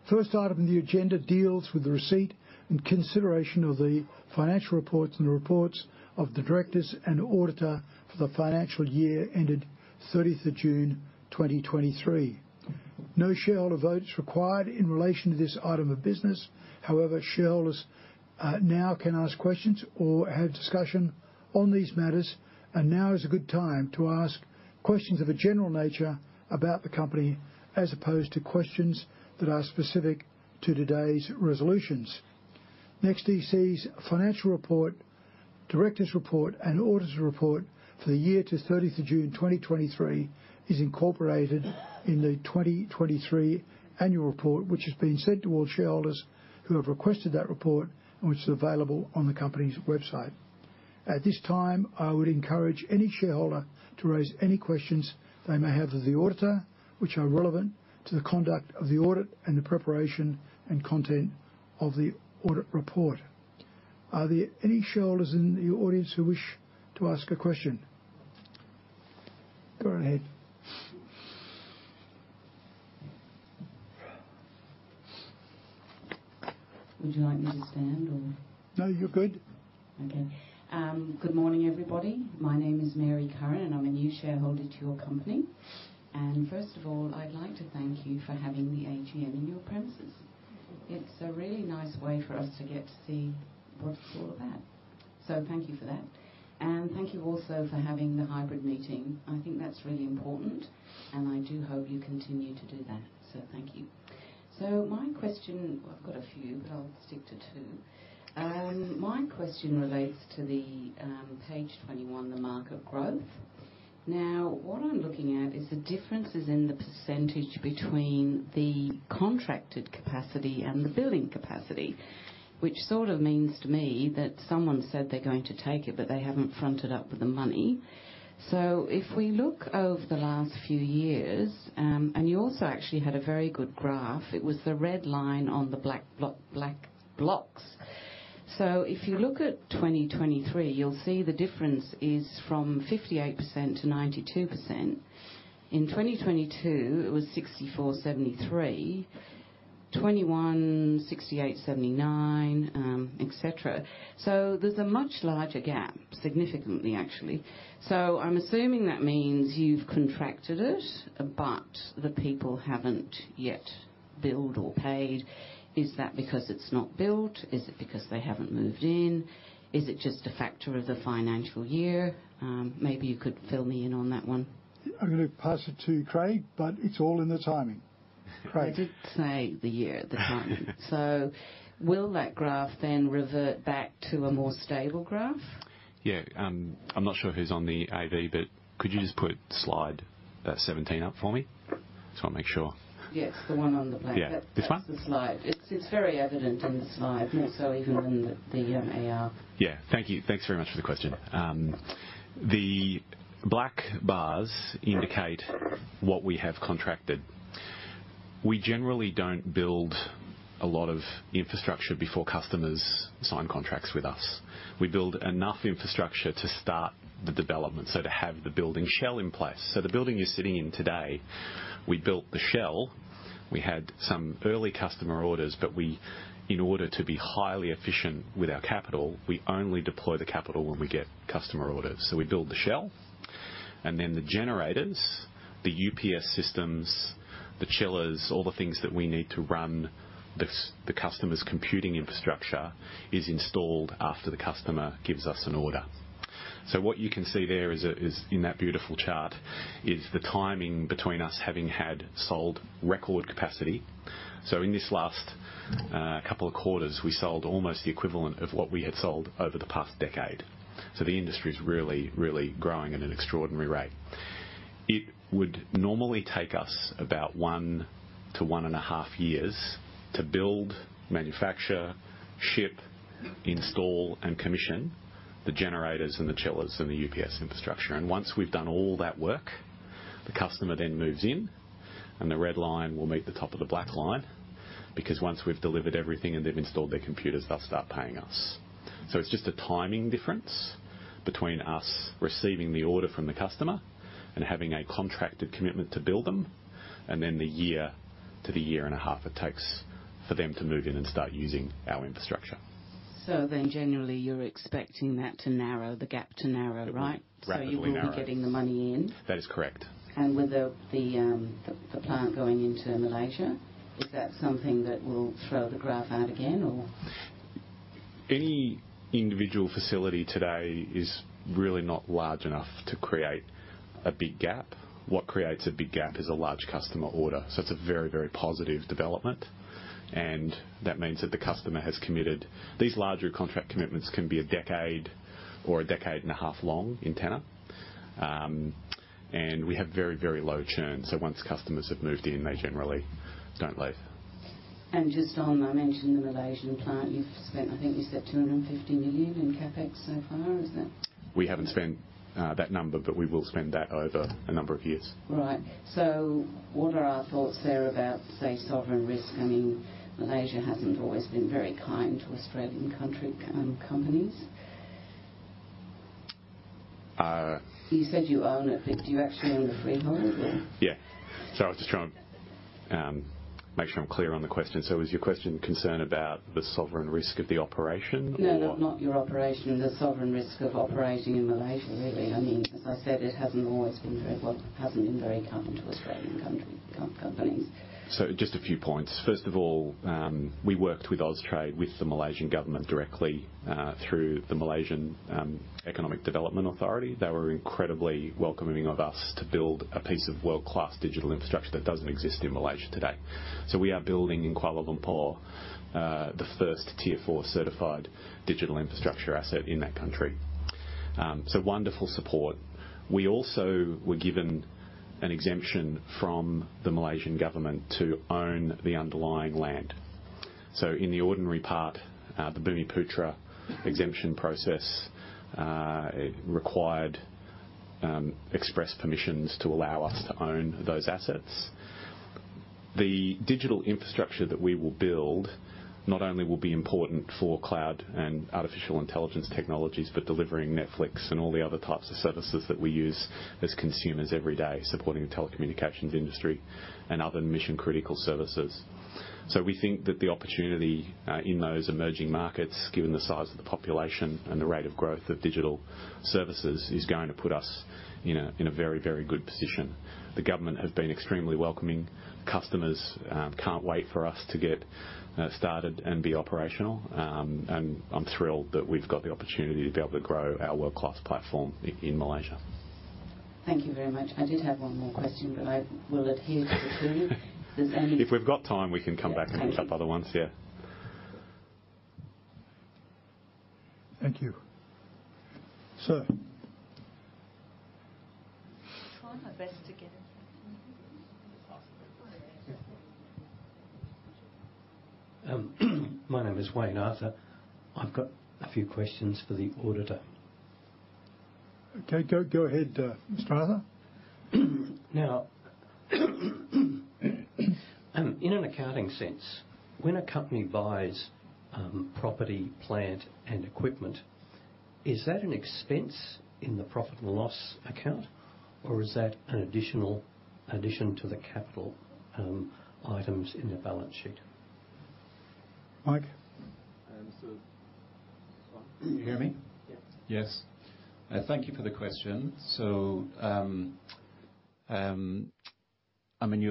Speaker 1: First item on the agenda deals with the receipt and consideration of the financial reports and the reports of the directors and auditor for the financial year ended 30th of June, 2023. No shareholder vote is required in relation to this item of business. However, shareholders, now can ask questions or have discussion on these matters, and now is a good time to ask questions of a general nature about the company, as opposed to questions that are specific to today's resolutions. NEXTDC's financial report, directors' report, and auditor's report for the year to 30th of June 2023 is incorporated in the 2023 annual report, which has been sent to all shareholders who have requested that report and which is available on the company's website. At this time, I would encourage any shareholder to raise any questions they may have of the auditor, which are relevant to the conduct of the audit and the preparation and content of the audit report. Are there any shareholders in the audience who wish to ask a question? Go right ahead.
Speaker 4: Would you like me to stand or?
Speaker 1: No, you're good.
Speaker 4: Okay. Good morning, everybody. My name is Mary Curran, and I'm a new shareholder to your company. First of all, I'd like to thank you for having the AGM in your premises. It's a really nice way for us to get to see what it's all about. Thank you for that, and thank you also for having the hybrid meeting. I think that's really important, and I do hope you continue to do that. Thank you. My question. I've got a few, but I'll stick to two. My question relates to the page 21, the market growth. Now, what I'm looking at is the differences in the percentage between the contracted capacity and the building capacity, which sort of means to me that someone said they're going to take it, but they haven't fronted up with the money. So if we look over the last few years, and you also actually had a very good graph. It was the red line on the black blocks. So if you look at 2023, you'll see the difference is from 58%-92%. In 2022, it was 64, 73. 2021, 68, 79, et cetera. So there's a much larger gap, significantly, actually. So I'm assuming that means you've contracted it, but the people haven't yet billed or paid. Is that because it's not built? Is it because they haven't moved in? Is it just a factor of the financial year? Maybe you could fill me in on that one.
Speaker 1: I'm going to pass it to Craig, but it's all in the timing. Craig.
Speaker 4: I did say the year, the timing. So will that graph then revert back to a more stable graph?
Speaker 3: Yeah. I'm not sure who's on the AV, but could you just put slide 17 up for me? Just want to make sure.
Speaker 4: Yes, the one on the left.
Speaker 3: Yeah. This one?
Speaker 4: That's the slide. It's very evident in the slide, more so even than the AR.
Speaker 3: Yeah. Thank you. Thanks very much for the question. The black bars indicate what we have contracted. We generally don't build a lot of infrastructure before customers sign contracts with us. We build enough infrastructure to start the development, so to have the building shell in place. So the building you're sitting in today, we built the shell. We had some early customer orders, but we, in order to be highly efficient with our capital, we only deploy the capital when we get customer orders. So we build the shell and then the generators, the UPS systems, the chillers, all the things that we need to run the customer's computing infrastructure, is installed after the customer gives us an order. So what you can see there, in that beautiful chart, is the timing between us having had sold record capacity. So in this last couple of quarters, we sold almost the equivalent of what we had sold over the past decade. So the industry is really, really growing at an extraordinary rate. It would normally take us about one-1.5 years to build, manufacture, ship, install, and commission the generators and the chillers and the UPS infrastructure. And once we've done all that work, the customer then moves in, and the red line will meet the top of the black line, because once we've delivered everything and they've installed their computers, they'll start paying us. So, it's just a timing difference between us receiving the order from the customer and having a contracted commitment to build them, and then the one-1.5 years it takes for them to move in and start using our infrastructure.
Speaker 4: So then generally, you're expecting that to narrow, the gap to narrow, right?
Speaker 3: It will rapidly narrow.
Speaker 4: You will be getting the money in?
Speaker 3: That is correct.
Speaker 4: With the plant going into Malaysia, is that something that will throw the graph out again or?
Speaker 3: Any individual facility today is really not large enough to create a big gap. What creates a big gap is a large customer order. So it's a very, very positive development, and that means that the customer has committed. These larger contract commitments can be a decade or a decade and a half long in tenor. And we have very, very low churn, so once customers have moved in, they generally don't leave.
Speaker 4: Just on, I mentioned the Malaysian plant, you've spent, I think you said 250 million in CapEx so far, is that?
Speaker 3: We haven't spent that number, but we will spend that over a number of years.
Speaker 4: Right. So what are our thoughts there about, say, sovereign risk? I mean, Malaysia hasn't always been very kind to Australian country companies. .You said you own it, but do you actually own the freehold or?
Speaker 3: Yeah. So I was just trying to make sure I'm clear on the question. So is your question concerned about the sovereign risk of the operation or?
Speaker 4: No, not your operation, the sovereign risk of operating in Malaysia, really. I mean, as I said, it hasn't always been very well, hasn't been very common to Australian companies.
Speaker 3: So just a few points. First of all, we worked with Austrade, with the Malaysian government directly, through the Malaysian Economic Development Authority. They were incredibly welcoming of us to build a piece of world-class digital infrastructure that doesn't exist in Malaysia today. So we are building in Kuala Lumpur, the first Tier IV-certified digital infrastructure asset in that country. So wonderful support. We also were given an exemption from the Malaysian government to own the underlying land. So in the ordinary part, the Bumiputera exemption process, it required express permissions to allow us to own those assets. The digital infrastructure that we will build not only will be important for cloud and artificial intelligence technologies, but delivering Netflix and all the other types of services that we use as consumers every day, supporting the telecommunications industry and other mission-critical services. So we think that the opportunity in those emerging markets, given the size of the population and the rate of growth of digital services, is going to put us in a, in a very, very good position. The government has been extremely welcoming. Customers can't wait for us to get started and be operational. And I'm thrilled that we've got the opportunity to be able to grow our world-class platform in Malaysia.
Speaker 4: Thank you very much. I did have one more question, but I will adhere to the time. Does any-
Speaker 3: If we've got time, we can come back-
Speaker 4: Yeah, thank you.
Speaker 3: Touch other ones. Yeah.
Speaker 2: Thank you. Sir? Trying my best to get it.
Speaker 5: My name is Wayne Arthur. I've got a few questions for the auditor.
Speaker 1: Okay, go ahead, Mr. Arthur.
Speaker 5: Now, in an accounting sense, when a company buys, property, plant, and equipment, is that an expense in the profit and loss account, or is that an additional addition to the capital, items in the balance sheet?
Speaker 2: Mike?
Speaker 6: Can you hear me?
Speaker 5: Yes.
Speaker 6: Yes. Thank you for the question. So, I mean,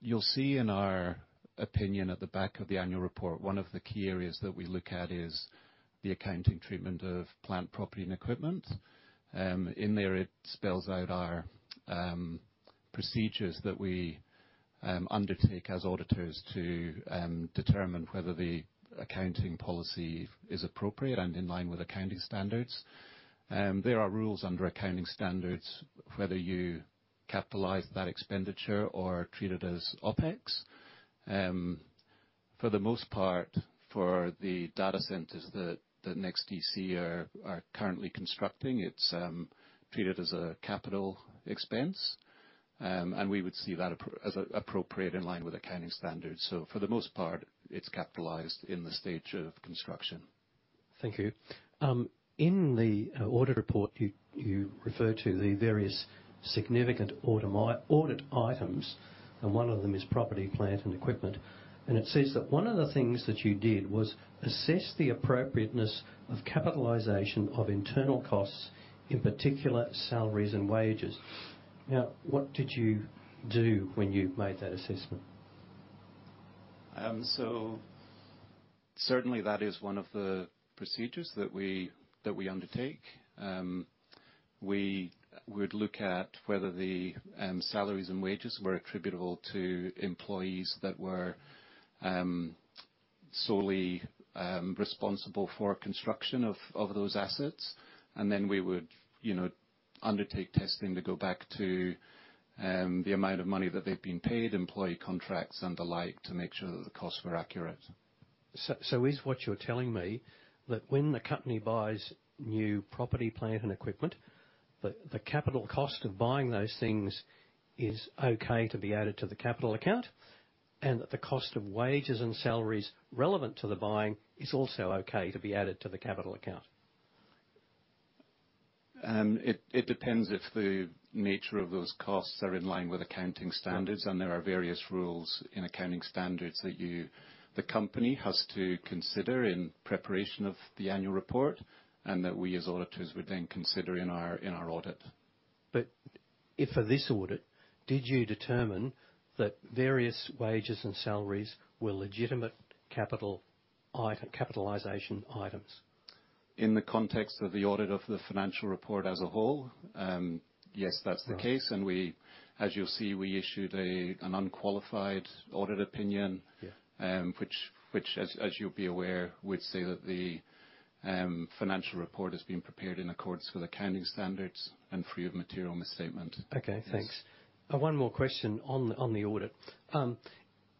Speaker 6: you'll see in our opinion, at the back of the annual report, one of the key areas that we look at is the accounting treatment of plant, property, and equipment. In there, it spells out our procedures that we undertake as auditors to determine whether the accounting policy is appropriate and in line with accounting standards. There are rules under accounting standards, whether you capitalize that expenditure or treat it as OpEx. For the most part, for the data centers that NEXTDC are currently constructing, it's treated as a capital expense. And we would see that as appropriate in line with accounting standards. So for the most part, it's capitalized in the stage of construction.
Speaker 5: Thank you. In the audit report, you refer to the various significant audit items, and one of them is property, plant, and equipment. It says that one of the things that you did was assess the appropriateness of capitalization of internal costs, in particular, salaries and wages. Now, what did you do when you made that assessment?
Speaker 6: So certainly that is one of the procedures that we, that we undertake. We would look at whether the salaries and wages were attributable to employees that were solely responsible for construction of those assets. And then we would, you know, undertake testing to go back to the amount of money that they've been paid, employee contracts, and the like, to make sure that the costs were accurate.
Speaker 5: So, is what you're telling me, that when the company buys new property, plant, and equipment, the capital cost of buying those things is okay to be added to the capital account, and that the cost of wages and salaries relevant to the buying is also okay to be added to the capital account?
Speaker 6: It depends if the nature of those costs are in line with accounting standards, and there are various rules in accounting standards that you, the company, has to consider in preparation of the annual report, and that we as auditors would then consider in our audit.
Speaker 5: But if for this audit, did you determine that various wages and salaries were legitimate capital item, capitalization items?
Speaker 6: In the context of the audit of the financial report as a whole, yes, that's the case.
Speaker 5: Right.
Speaker 6: We, as you'll see, we issued an unqualified audit opinion-
Speaker 5: Yeah.
Speaker 6: which, as you'll be aware, would say that the financial report has been prepared in accordance with accounting standards and free of material misstatement.
Speaker 5: Okay, thanks.
Speaker 6: Yes.
Speaker 5: One more question on the audit.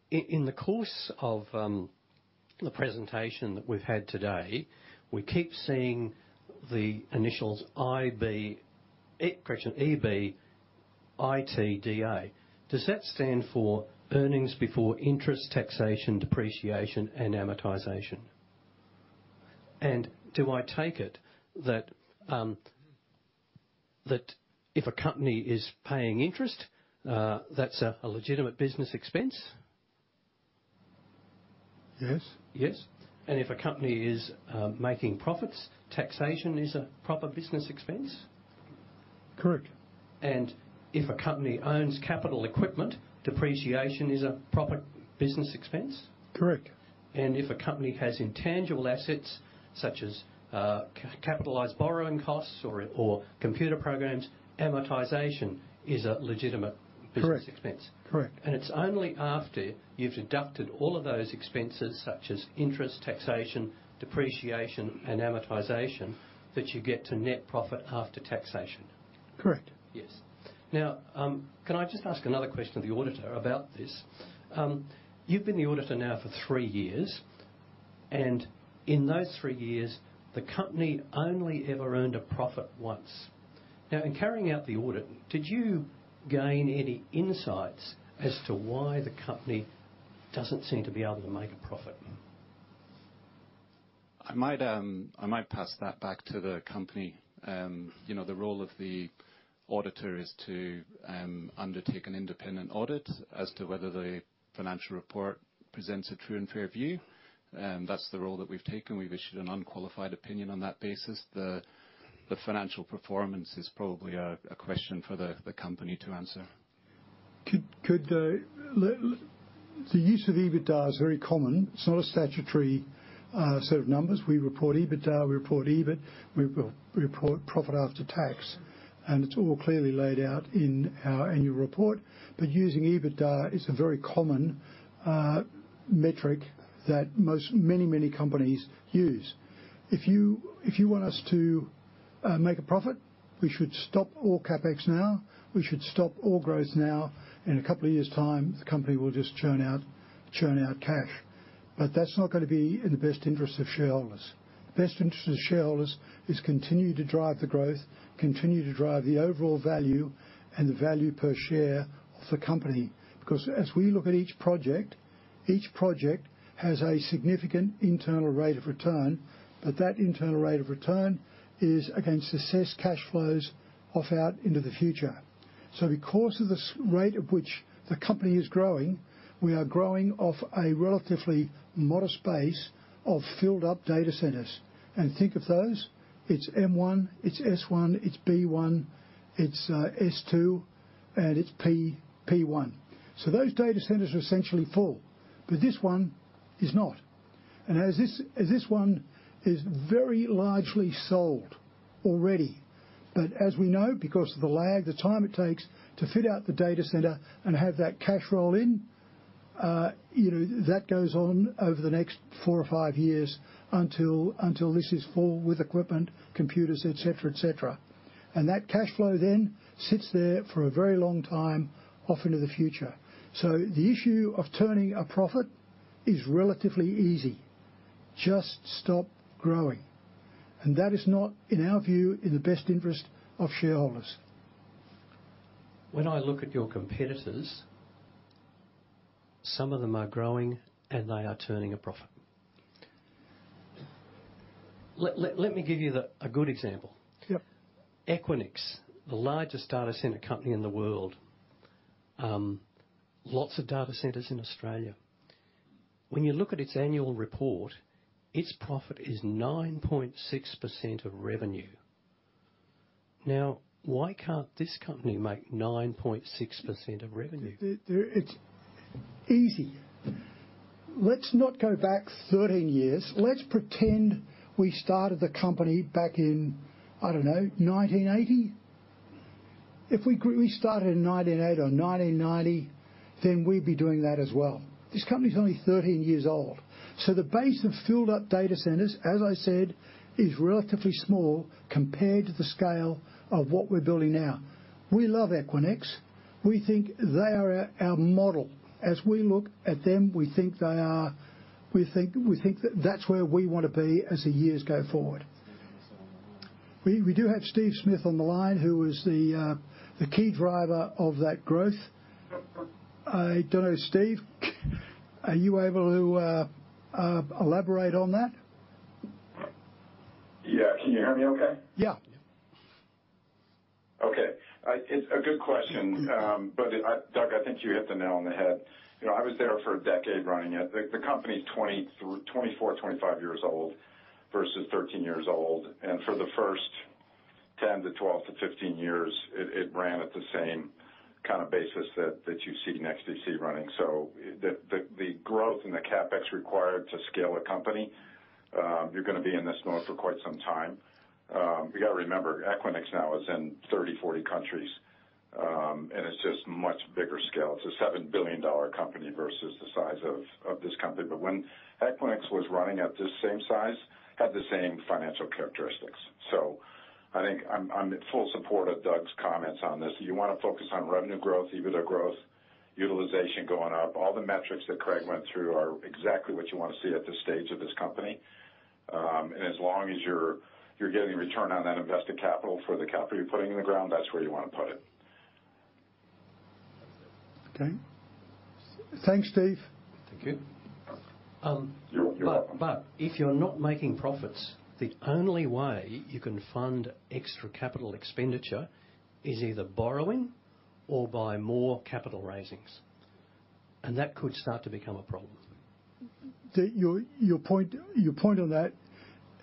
Speaker 5: In the course of the presentation that we've had today, we keep seeing the initials IB, correction, EBITDA. Does that stand for earnings before interest, taxation, depreciation, and amortization? And do I take it that if a company is paying interest, that's a legitimate business expense?
Speaker 1: Yes.
Speaker 5: Yes. And if a company is making profits, taxation is a proper business expense?
Speaker 1: Correct.
Speaker 5: If a company owns capital equipment, depreciation is a proper business expense?
Speaker 1: Correct.
Speaker 5: If a company has intangible assets, such as capitalized borrowing costs or computer programs, amortization is a legitimate-
Speaker 1: Correct.
Speaker 5: -business expense?
Speaker 1: Correct.
Speaker 5: It's only after you've deducted all of those expenses, such as interest, taxation, depreciation, and amortization, that you get to net profit after taxation.
Speaker 1: Correct.
Speaker 5: Yes. Now, can I just ask another question of the auditor about this? You've been the auditor now for three years, and in those three years, the company only ever earned a profit once. Now, in carrying out the audit, did you gain any insights as to why the company doesn't seem to be able to make a profit?
Speaker 6: I might pass that back to the company. You know, the role of the auditor is to undertake an independent audit as to whether the financial report presents a true and fair view, and that's the role that we've taken. We've issued an unqualified opinion on that basis. The financial performance is probably a question for the company to answer.
Speaker 1: The use of EBITDA is very common. It's not a statutory set of numbers. We report EBITDA, we report EBIT, we report profit after tax, and it's all clearly laid out in our annual report. But using EBITDA is a very common metric that most many, many companies use. If you, if you want us to make a profit, we should stop all CapEx now. We should stop all growth now. In a couple of years' time, the company will just churn out, churn out cash. But that's not gonna be in the best interest of shareholders. The best interest of shareholders is continue to drive the growth, continue to drive the overall value and the value per share of the company. Because as we look at each project, each project has a significant internal rate of return, but that internal rate of return is against assessed cash flows off out into the future. So because of the growth rate at which the company is growing, we are growing off a relatively modest base of filled-up data centers. And think of those, it's M1, it's S1, it's B1, it's S2, and it's P1. So those data centers are essentially full, but this one is not. And as this, as this one is very largely sold already, but as we know, because of the lag, the time it takes to fit out the data center and have that cash roll in, you know, that goes on over the next four or five years until, until this is full with equipment, computers, et cetera, et cetera. That cash flow then sits there for a very long time, off into the future. The issue of turning a profit is relatively easy. Just stop growing, and that is not, in our view, in the best interest of shareholders.
Speaker 5: When I look at your competitors, some of them are growing, and they are turning a profit. Let me give you a good example.
Speaker 1: Yep.
Speaker 5: Equinix, the largest data center company in the world, lots of data centers in Australia. When you look at its annual report, its profit is 9.6% of revenue. Now, why can't this company make 9.6% of revenue?
Speaker 1: It's easy. Let's not go back 13 years. Let's pretend we started the company back in, I don't know, 1980. If we started in 1980 or 1990, then we'd be doing that as well. This company's only 13 years old, so the base of filled up data centers, as I said, is relatively small compared to the scale of what we're building now. We love Equinix. We think they are our model. As we look at them, we think they are. We think that that's where we want to be as the years go forward. We do have Steve Smith on the line, who is the key driver of that growth. I don't know, Steve, are you able to elaborate on that?
Speaker 7: Yeah. Can you hear me okay?
Speaker 1: Yeah.
Speaker 7: Okay. It's a good question. But Doug, I think you hit the nail on the head. You know, I was there for a decade running it. The company is 24, 25 years old versus 13 years old, and for the first 10 to 12 to 15 years, it ran at the same kind of basis that you see NEXTDC running. So the growth and the CapEx required to scale a company, you're gonna be in this mode for quite some time. You gotta remember, Equinix now is in 30, 40 countries, and it's just much bigger scale. It's a $7 billion company versus the size of this company. But when Equinix was running at this same size, had the same financial characteristics. So I think I'm in full support of Doug's comments on this. You wanna focus on revenue growth, EBITDA growth, utilization going up. All the metrics that Craig went through are exactly what you want to see at this stage of this company. And as long as you're getting return on that invested capital for the capital you're putting in the ground, that's where you want to put it.
Speaker 1: Okay. Thanks, Steve.
Speaker 5: Thank you.
Speaker 7: You're welcome.
Speaker 5: But if you're not making profits, the only way you can fund extra capital expenditure is either borrowing or by more capital raisings, and that could start to become a problem.
Speaker 1: Your point on that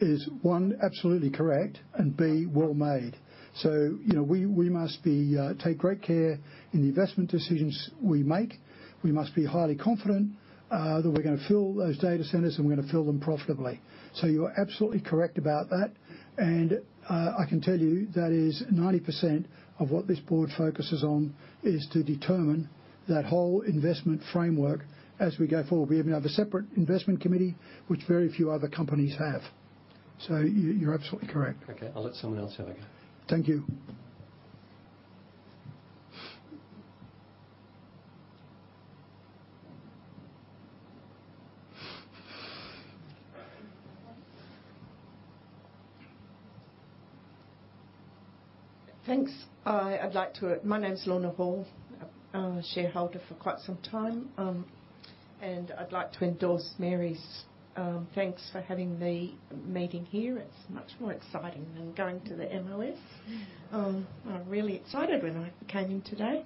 Speaker 1: is, one, absolutely correct, and B, well made. So, you know, we must be take great care in the investment decisions we make. We must be highly confident that we're gonna fill those data centers, and we're gonna fill them profitably. So you are absolutely correct about that. And, I can tell you that is 90% of what this board focuses on, is to determine that whole investment framework as we go forward. We even have a separate investment committee, which very few other companies have. So you're absolutely correct.
Speaker 5: Okay, I'll let someone else have a go.
Speaker 1: Thank you.
Speaker 8: Thanks. My name is Lorna Hall. I'm a shareholder for quite some time, and I'd like to endorse Mary's thanks for having the meeting here. It's much more exciting than going to the MLS. I was really excited when I came in today.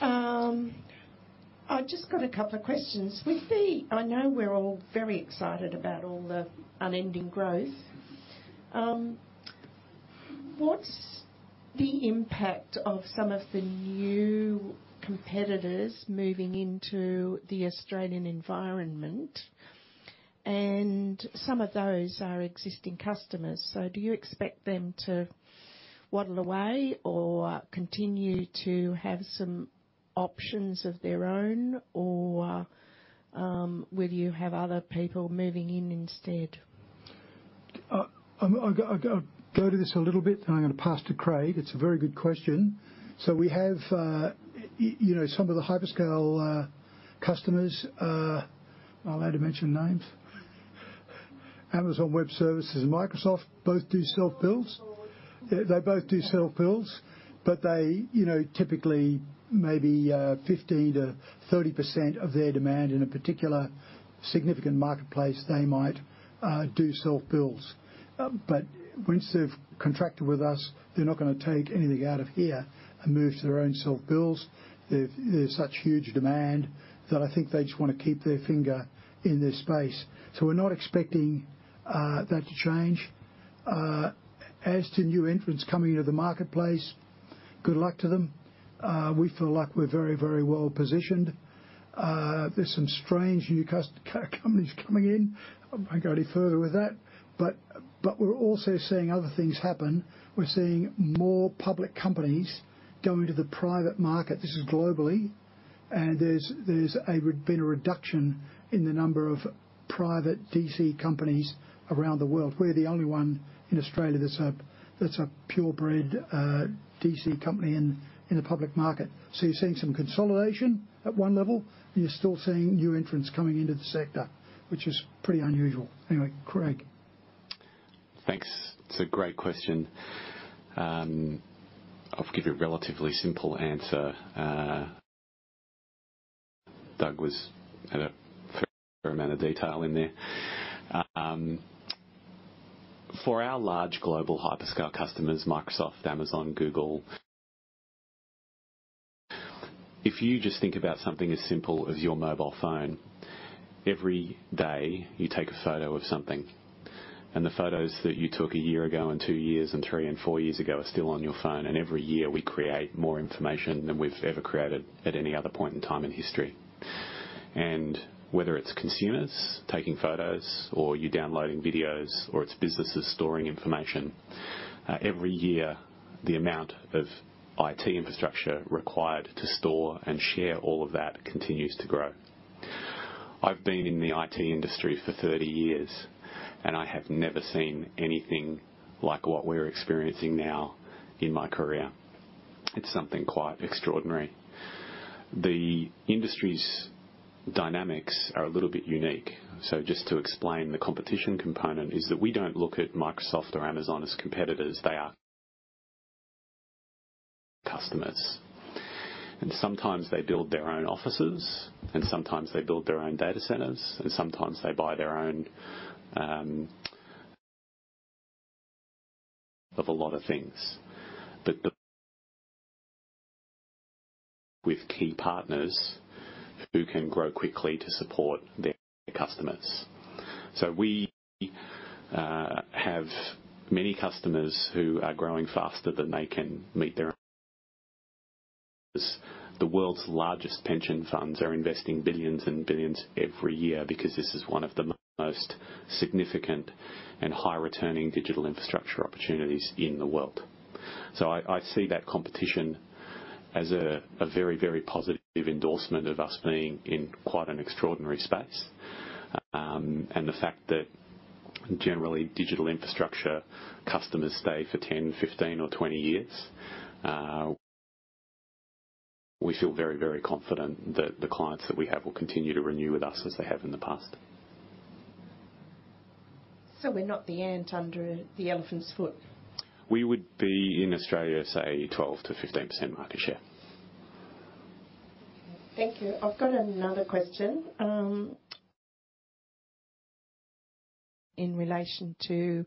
Speaker 8: I've just got a couple of questions. With the I know we're all very excited about all the unending growth. What's the impact of some of the new competitors moving into the Australian environment? And some of those are existing customers, so do you expect them to waddle away or continue to have some options of their own, or, will you have other people moving in instead?
Speaker 1: I'll go to this a little bit, and I'm going to pass to Craig. It's a very good question. So we have, you know, some of the hyperscale customers. Am I allowed to mention names? Amazon Web Services and Microsoft both do self-builds. They both do self-builds, but they, you know, typically maybe 15%-30% of their demand in a particular significant marketplace, they might do self-builds. But once they've contracted with us, they're not gonna take anything out of here and move to their own self-builds. There's such huge demand that I think they just want to keep their finger in this space. So we're not expecting that to change. As to new entrants coming into the marketplace, good luck to them. We feel like we're very, very well positioned. There's some strange new companies coming in. I won't go any further with that. But we're also seeing other things happen. We're seeing more public companies going to the private market. This is globally, and there's been a reduction in the number of private DC companies around the world. We're the only one in Australia that's a purebred DC company in the public market. So you're seeing some consolidation at one level, and you're still seeing new entrants coming into the sector, which is pretty unusual. Anyway, Craig.
Speaker 3: Thanks. It's a great question. I'll give you a relatively simple answer. Doug was at a fair amount of detail in there. For our large global hyperscale customers, Microsoft, Amazon, Google, if you just think about something as simple as your mobile phone, every day you take a photo of something, and the photos that you took a year ago, and two years and three and four years ago are still on your phone. And every year, we create more information than we've ever created at any other point in time in history. And whether it's consumers taking photos or you downloading videos or it's businesses storing information, every year, the amount of IT infrastructure required to store and share all of that continues to grow. I've been in the IT industry for 30 years, and I have never seen anything like what we're experiencing now in my career. It's something quite extraordinary. The industry's dynamics are a little bit unique. So just to explain, the competition component is that we don't look at Microsoft or Amazon as competitors. They are customers, and sometimes they build their own offices, and sometimes they build their own data centers, and sometimes they buy their own of a lot of things. But with key partners who can grow quickly to support their customers. So we have many customers who are growing faster than they can meet their- The world's largest pension funds are investing billions and billions every year because this is one of the most significant and high-returning digital infrastructure opportunities in the world. So I see that competition as a very, very positive endorsement of us being in quite an extraordinary space. The fact that generally digital infrastructure customers stay for 10, 15, or 20 years, we feel very, very confident that the clients that we have will continue to renew with us as they have in the past.
Speaker 8: So we're not the ant under the elephant's foot?
Speaker 3: We would be in Australia, say, 12%-15% market share.
Speaker 8: Thank you. I've got another question, in relation to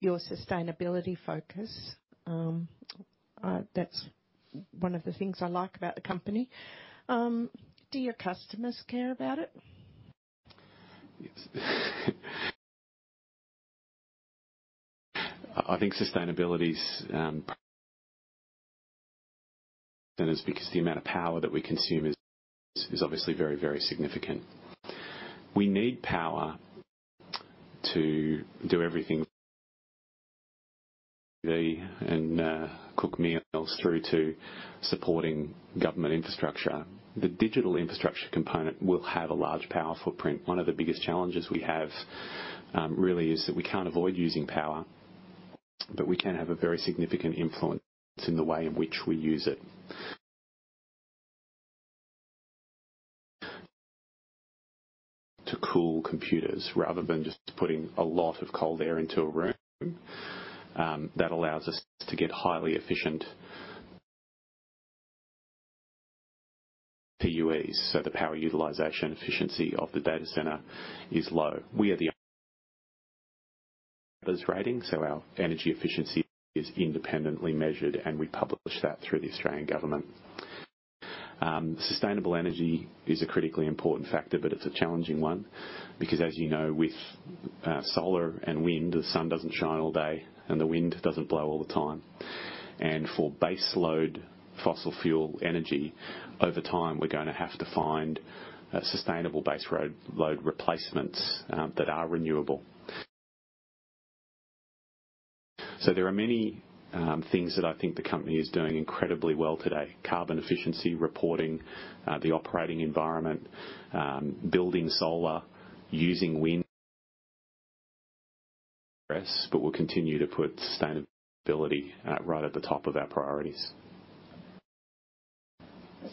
Speaker 8: your sustainability focus. That's one of the things I like about the company. Do your customers care about it?
Speaker 3: Yes. I think sustainability's. Because the amount of power that we consume is obviously very, very significant. We need power to do everything, and cook meals through to supporting government infrastructure. The digital infrastructure component will have a large power footprint. One of the biggest challenges we have, really, is that we can't avoid using power, but we can have a very significant influence in the way in which we use it. To cool computers, rather than just putting a lot of cold air into a room, that allows us to get highly efficient PUEs, so the Power Usage Effectiveness of the data center is low. We are rated, so our energy efficiency is independently measured, and we publish that through the Australian government. Sustainable energy is a critically important factor, but it's a challenging one because, as you know, with solar and wind, the sun doesn't shine all day and the wind doesn't blow all the time. And for base load, fossil fuel energy, over time, we're going to have to find a sustainable base load replacements that are renewable. So there are many things that I think the company is doing incredibly well today. Carbon efficiency reporting, the operating environment, building solar, using wind. Progress, but we'll continue to put sustainability right at the top of our priorities.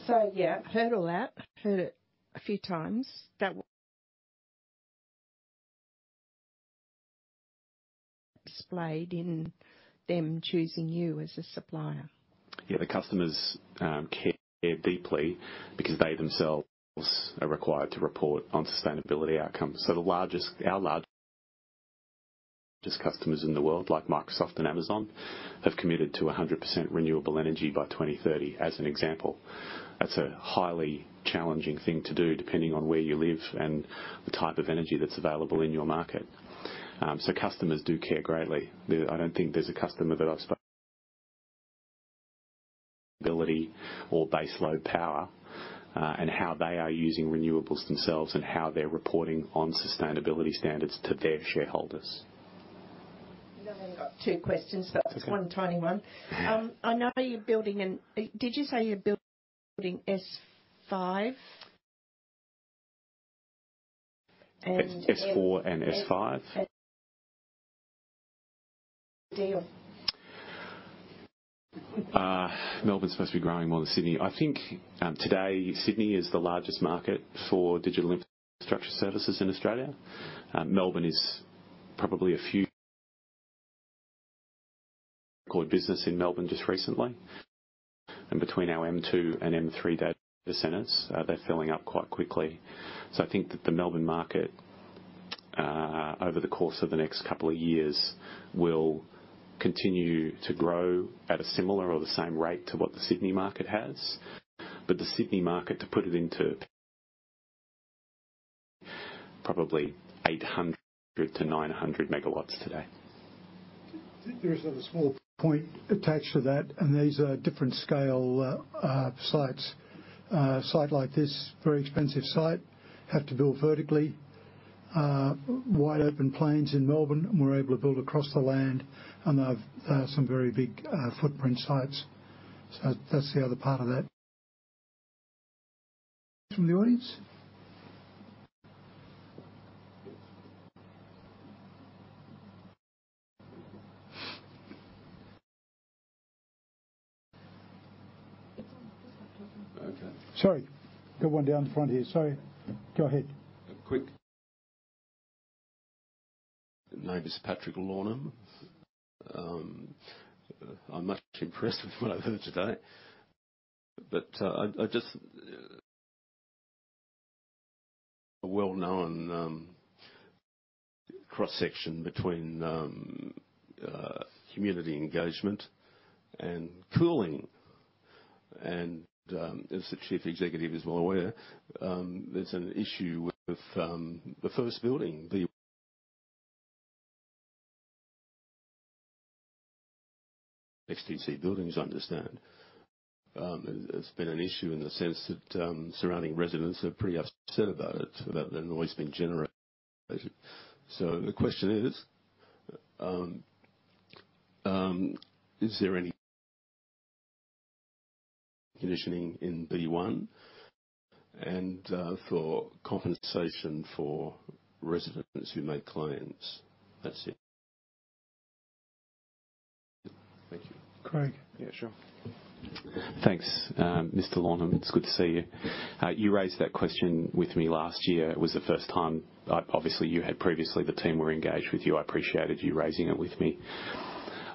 Speaker 8: So yeah, I've heard all that. Heard it a few times. That displayed in them choosing you as a supplier.
Speaker 3: Yeah. The customers care deeply because they themselves are required to report on sustainability outcomes. So the largest, our largest customers in the world, like Microsoft and Amazon, have committed to 100% renewable energy by 2030, as an example. That's a highly challenging thing to do, depending on where you live and the type of energy that's available in your market. So customers do care greatly. I don't think there's a customer that I've spoken to about reliability or base load power, and how they are using renewables themselves and how they're reporting on sustainability standards to their shareholders.
Speaker 8: I've only got two questions, but one tiny one.
Speaker 3: Okay.
Speaker 8: I know you're building. Did you say you're building S5?
Speaker 3: S4 and S5.
Speaker 8: Deal.
Speaker 3: Melbourne's supposed to be growing more than Sydney. I think, today, Sydney is the largest market for digital infrastructure services in Australia. Melbourne is probably record business in Melbourne just recently, and between our M2 and M3 data centers, they're filling up quite quickly. So I think that the Melbourne market, over the course of the next couple of years, will continue to grow at a similar or the same rate to what the Sydney market has. But the Sydney market, probably 800-900 MW today.
Speaker 1: I think there is a small point attached to that, and these are different scale sites. A site like this, very expensive site, have to build vertically. Wide open plains in Melbourne, and we're able to build across the land on some very big footprint sites. So that's the other part of that. From the audience? Okay. Sorry, got one down the front here. Sorry. Go ahead.
Speaker 9: Quick. My name is Patrick Lawnham. I'm much impressed with what I've heard today, but I just, a well-known cross-section between community engagement and cooling. And as the chief executive is well aware, there's an issue with the first building, the XTC buildings, I understand. It, it's been an issue in the sense that surrounding residents are pretty upset about it, about the noise being generated. So the question is, is there any conditioning in B1 and for compensation for residents who make complaints? That's it. Thank you,
Speaker 1: Craig?
Speaker 3: Yeah, sure. Thanks, Mr. Lawnham. It's good to see you. You raised that question with me last year. It was the first time. Obviously, you had previously the team were engaged with you. I appreciated you raising it with me.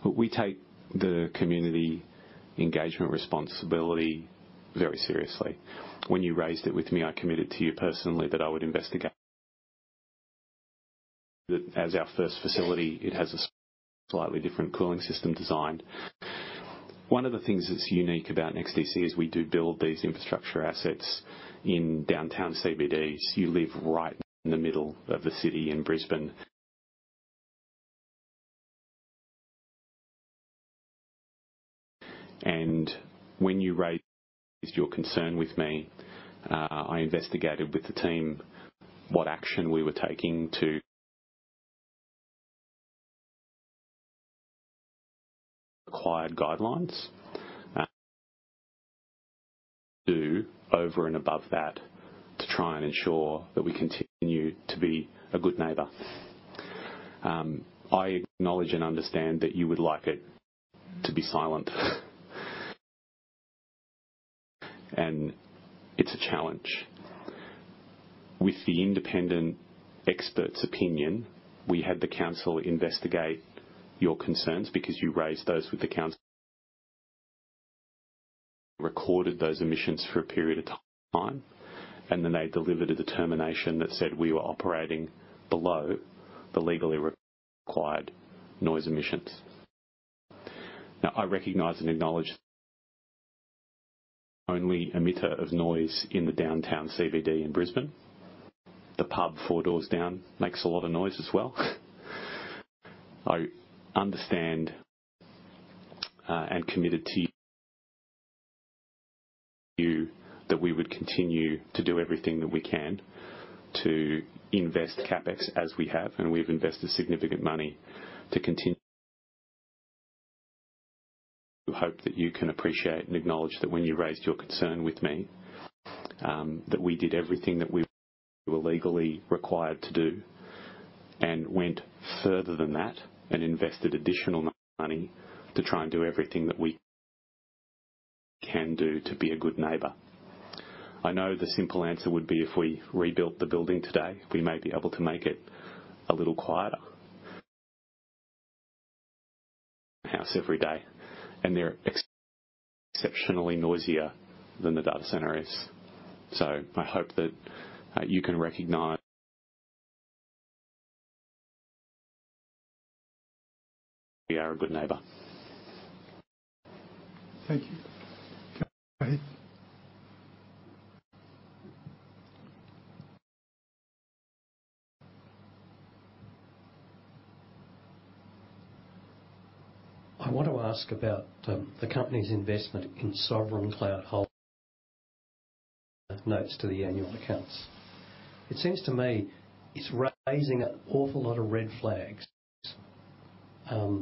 Speaker 3: We take the community engagement responsibility very seriously. When you raised it with me, I committed to you personally that I would investigate. That, as our first facility, it has a slightly different cooling system design. One of the things that's unique about NEXTDC is we do build these infrastructure assets in downtown CBDs. You live right in the middle of the city in Brisbane. And when you raised your concern with me, I investigated with the team what action we were taking to acquire guidelines. Do over and above that, to try and ensure that we continue to be a good neighbour. I acknowledge and understand that you would like it to be silent. It's a challenge. With the independent expert's opinion, we had the council investigate your concerns because you raised those with the council. Recorded those emissions for a period of time, and then they delivered a determination that said we were operating below the legally required noise emissions. Now, I recognize and acknowledge only emitter of noise in the downtown CBD in Brisbane. The pub four doors down makes a lot of noise as well. I understand, and committed to you that we would continue to do everything that we can to invest CapEx as we have, and we've invested significant money to continue. I hope that you can appreciate and acknowledge that when you raised your concern with me, that we did everything that we were legally required to do, and went further than that, and invested additional money to try and do everything that we can do to be a good neighbor. I know the simple answer would be if we rebuilt the building today, we may be able to make it a little quieter. House every day, and they're exceptionally noisier than the data center is. So I hope that you can recognize we are a good neighbor.
Speaker 1: Thank you. Go ahead.
Speaker 5: I want to ask about the company's investment in Sovereign Cloud Holdings notes to the annual accounts. It seems to me it's raising an awful lot of red flags. NEXTDC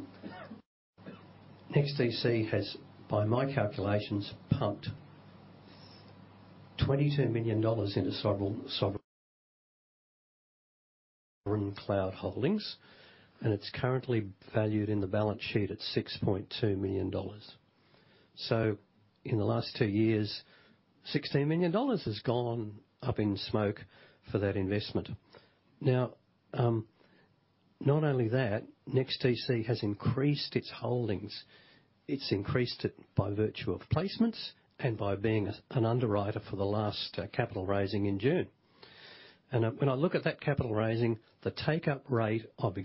Speaker 5: has, by my calculations, pumped AUD 22 million into Sovereign Cloud Holdings, and it's currently valued in the balance sheet at 6.2 million dollars. So in the last two years, 16 million dollars has gone up in smoke for that investment. Now, not only that, NEXTDC has increased its holdings. It's increased it by virtue of placements and by being a, an underwriter for the last capital raising in June. And when I look at that capital raising, the take-up rate of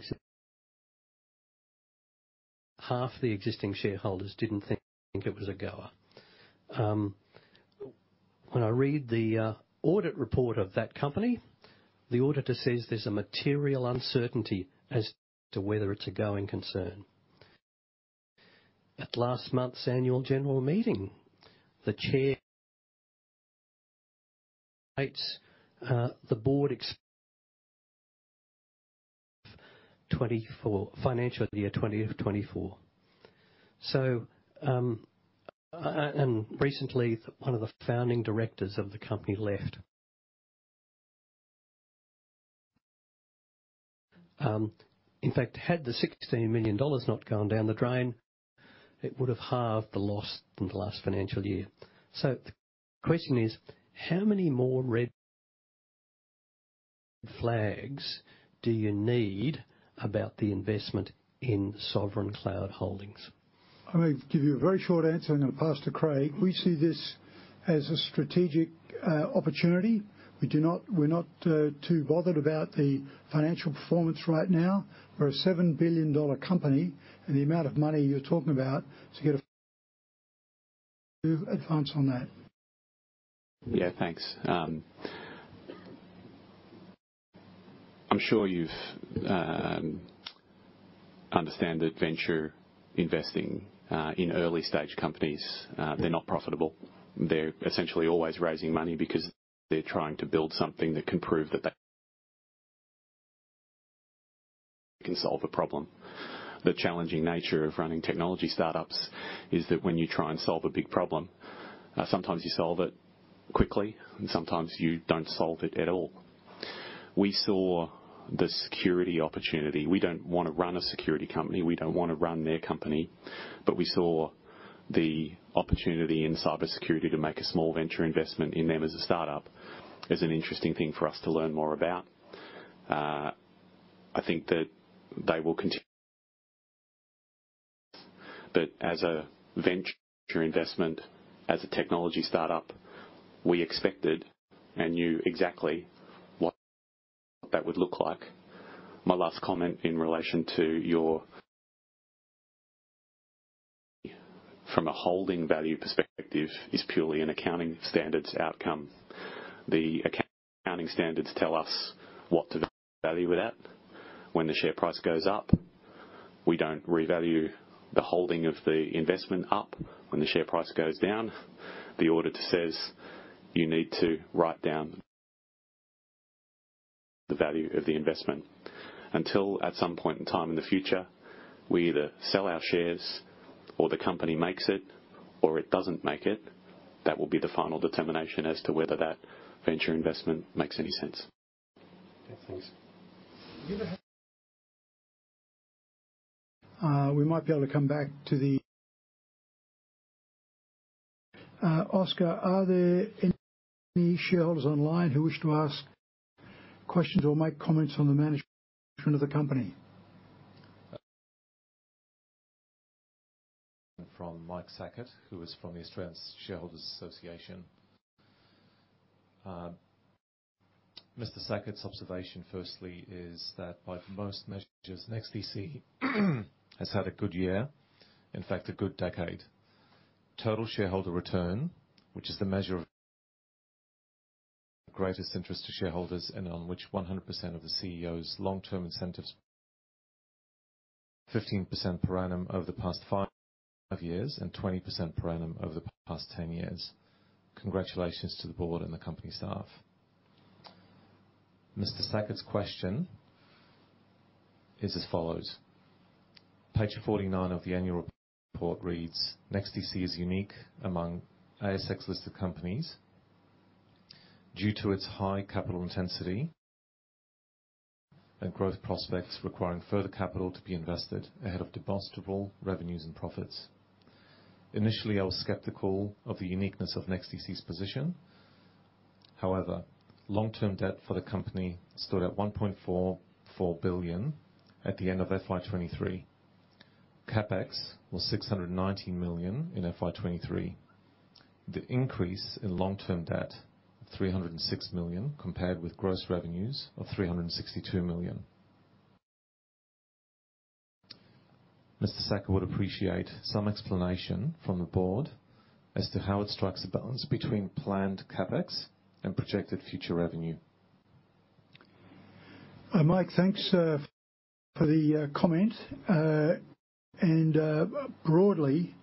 Speaker 5: half the existing shareholders didn't think it was a goer. When I read the audit report of that company, the auditor says there's a material uncertainty as to whether it's a going concern. At last month's annual general meeting, the chair states the board expects 2024 financial year 20 of 2024. And recently, one of the founding directors of the company left. In fact, had the 16 million dollars not gone down the drain, it would have halved the loss in the last financial year. So the question is: how many more red flags do you need about the investment in Sovereign Cloud Holdings?
Speaker 1: I'm going to give you a very short answer, and I'm going to pass to Craig. We see this as a strategic opportunity. We're not too bothered about the financial performance right now. We're an 7 billion dollar company, and the amount of money you're talking about to get an advance on that.
Speaker 3: Yeah, thanks. I'm sure you've understand that venture investing in early-stage companies, they're not profitable. They're essentially always raising money because they're trying to build something that can prove that they... Can solve a problem. The challenging nature of running technology startups is that when you try and solve a big problem, sometimes you solve it quickly, and sometimes you don't solve it at all. We saw the security opportunity. We don't want to run a security company, we don't want to run their company, but we saw the opportunity in cybersecurity to make a small venture investment in them as a startup, as an interesting thing for us to learn more about. I think that they will continue. But as a venture investment, as a technology startup, we expected and knew exactly what that would look like. My last comment in relation to your, from a holding value perspective, is purely an accounting standards outcome. The accounting standards tell us what to value with that. When the share price goes up, we don't revalue the holding of the investment up. When the share price goes down, the auditor says, "You need to write down the value of the investment." Until at some point in time in the future, we either sell our shares or the company makes it, or it doesn't make it, that will be the final determination as to whether that venture investment makes any sense.
Speaker 1: Thanks. Oskar, are there any shareholders online who wish to ask questions or make comments on the management of the company?
Speaker 10: From Mike Sackett, who is from the Australian Shareholders Association. Mr. Sackett's observation, firstly, is that by most measures, NEXTDC has had a good year, in fact, a good decade. Total shareholder return, which is the measure of greatest interest to shareholders and on which 100% of the CEO's long-term incentives, 15% per annum over the past five years and 20% per annum over the past 10 years. Congratulations to the board and the company staff. Mr. Sackett's question is as follows: Page 49 of the annual report reads, "NEXTDC is unique among ASX-listed companies due to its high capital intensity and growth prospects, requiring further capital to be invested ahead of demonstrable revenues and profits." Initially, I was skeptical of the uniqueness of NEXTDC's position. However, long-term debt for the company stood at 1.44 billion at the end of FY 2023. CapEx was 619 million in FY 2023. The increase in long-term debt, 306 million, compared with gross revenues of 362 million. Mr. Sackett would appreciate some explanation from the board as to how it strikes a balance between planned CapEx and projected future revenue.
Speaker 1: Hi, Mike, thanks for the comment. And broadly,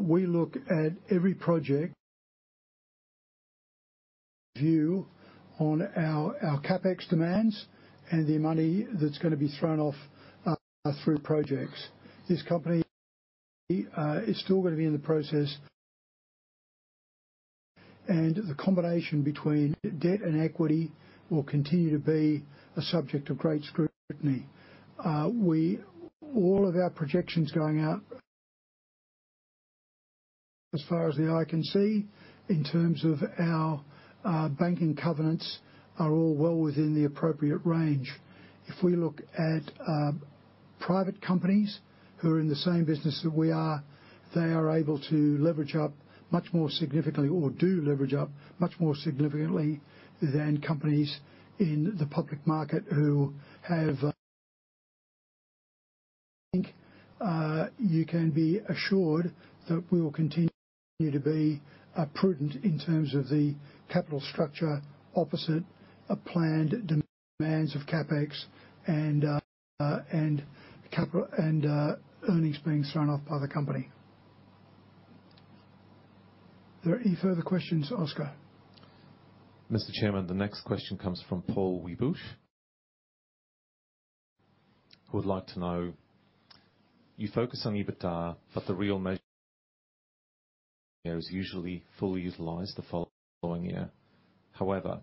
Speaker 1: we look at every project view on our CapEx demands and the money that's gonna be thrown off through projects. This company is still gonna be in the process, and the combination between debt and equity will continue to be a subject of great scrutiny. We, all of our projections going out, as far as the eye can see, in terms of our banking covenants, are all well within the appropriate range. If we look at private companies who are in the same business that we are, they are able to leverage up much more significantly or do leverage up much more significantly than companies in the public market who have, I think, you can be assured that we will continue to be prudent in terms of the capital structure opposite a planned demands of CapEx and, and capital, and earnings being thrown off by the company. Are there any further questions, Oskar?
Speaker 10: Mr. Chairman, the next question comes from Paul Wibush, who would like to know: You focus on EBITDA, but the real measure is usually fully utilized the following year. However,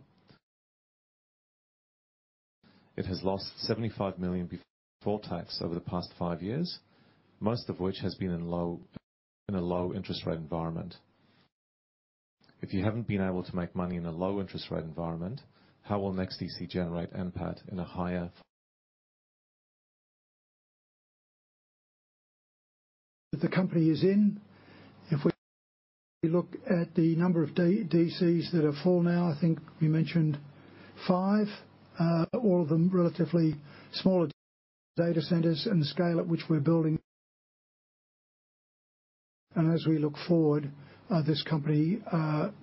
Speaker 10: it has lost 75 million before tax over the past five years, most of which has been in a low interest rate environment. If you haven't been able to make money in a low interest rate environment, how will NEXTDC generate NPAT in a higher-
Speaker 1: That the company is in. If we look at the number of DCs that are full now, I think we mentioned five, all of them relatively smaller data centers, and the scale at which we're building. As we look forward, this company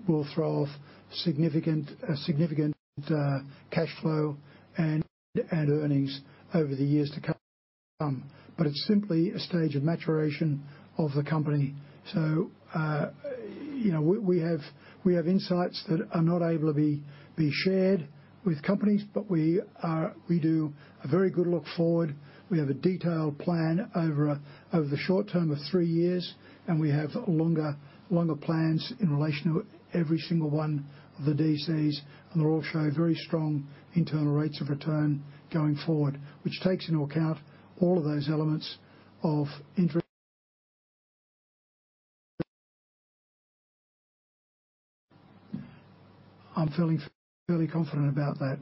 Speaker 1: will throw off significant, a significant, cash flow and, and earnings over the years to come. But it's simply a stage of maturation of the company. So, you know, we, we have, we have insights that are not able to be, be shared with companies, but we are, we do a very good look forward. We have a detailed plan over, over the short term of three years, and we have longer, longer plans in relation to every single one of the DCs. They all show very strong internal rates of return going forward, which takes into account all of those elements of interest. I'm feeling fairly confident about that.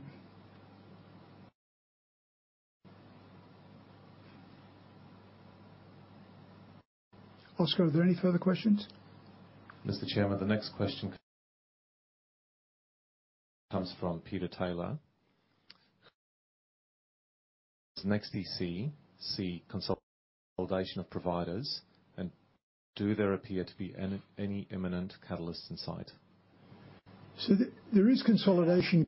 Speaker 1: Oskar, are there any further questions?
Speaker 10: Mr. Chairman, the next question comes from Peter Taylor. NEXTDC see consolidation of providers, and do there appear to be any, any imminent catalysts in sight?
Speaker 1: So there is consolidation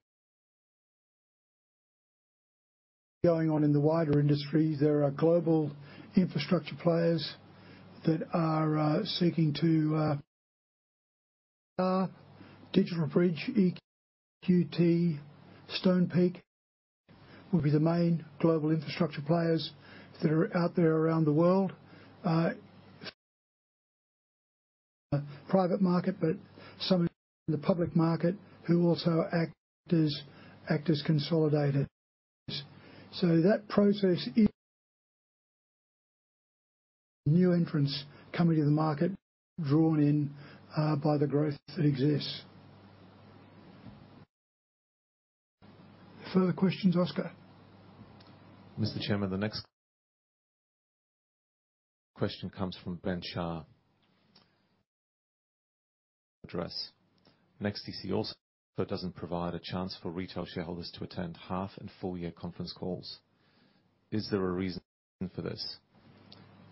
Speaker 1: going on in the wider industry. There are global infrastructure players that are seeking to DigitalBridge, EQT, Stonepeak will be the main global infrastructure players that are out there around the world. Private market, but some in the public market who also act as consolidators. So that process is new entrants coming to the market, drawn in by the growth that exists. Further questions, Oskar?
Speaker 10: Mr. Chairman, the next question comes from Ben Shah. Address. NEXTDC also doesn't provide a chance for retail shareholders to attend half and full year conference calls. Is there a reason for this?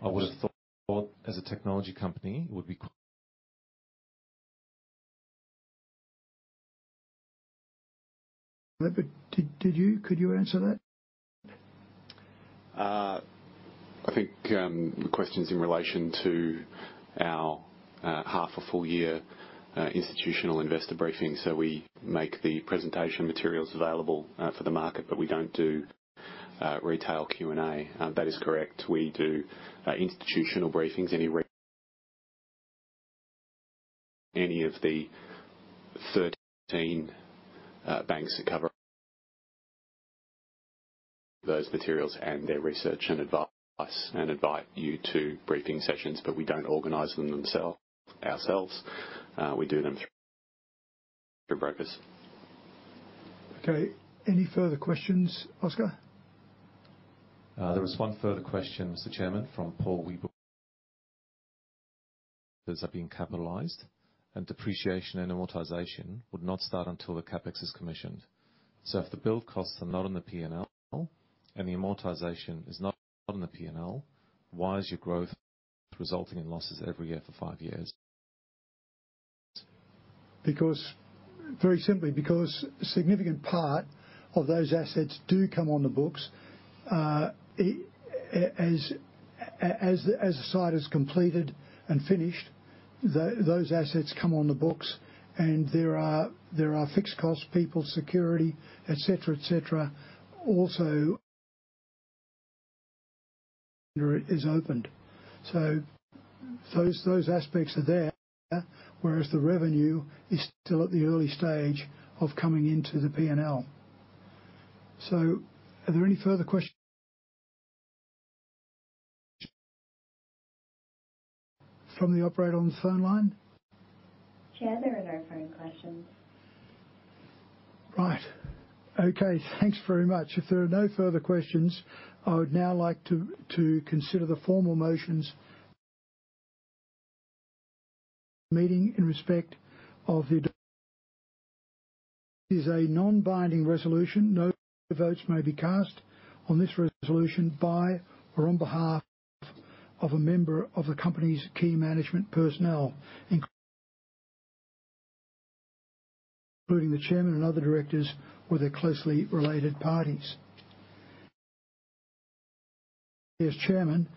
Speaker 10: I would have thought as a technology company, it would be-
Speaker 1: Did you? Could you answer that?
Speaker 3: I think, the question's in relation to our, half a full year, institutional investor briefing. So we make the presentation materials available, for the market, but we don't do, retail Q&A. That is correct. We do, institutional briefings. Any of the 13, banks that cover those materials and their research and advise, and invite you to briefing sessions, but we don't organize them ourselves. We do them through brokers.
Speaker 1: Okay, any further questions, Oskar?
Speaker 10: There is one further question, Mr. Chairman, from Paul Wieber. Those are being capitalized, and depreciation and amortization would not start until the CapEx is commissioned. So if the build costs are not on the P&L and the amortization is not on the P&L, why is your growth resulting in losses every year for five years?
Speaker 1: Because, very simply, because a significant part of those assets do come on the books. As the site is completed and finished, those assets come on the books, and there are fixed costs, people, security, et cetera, et cetera. Also, is opened. So those aspects are there, whereas the revenue is still at the early stage of coming into the P&L. So are there any further questions from the operator on the phone line?
Speaker 2: Chair, there are no further questions.
Speaker 1: Right. Okay, thanks very much. If there are no further questions, I would now like to consider the formal motions meeting in respect of the. It is a non-binding resolution. No votes may be cast on this resolution by or on behalf of a member of the company's key management personnel, including the chairman and other directors or their closely related parties. As chairman,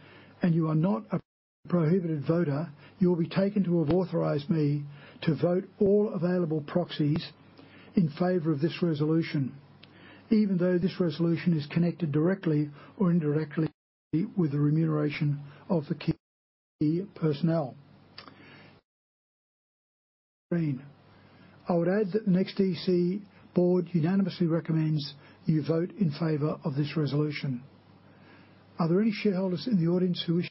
Speaker 1: and you are not a prohibited voter, you will be taken to have authorized me to vote all available proxies in favor of this resolution, even though this resolution is connected directly or indirectly with the remuneration of the key personnel. I would add that the NEXTDC board unanimously recommends you vote in favor of this resolution. Are there any shareholders in the audience who wish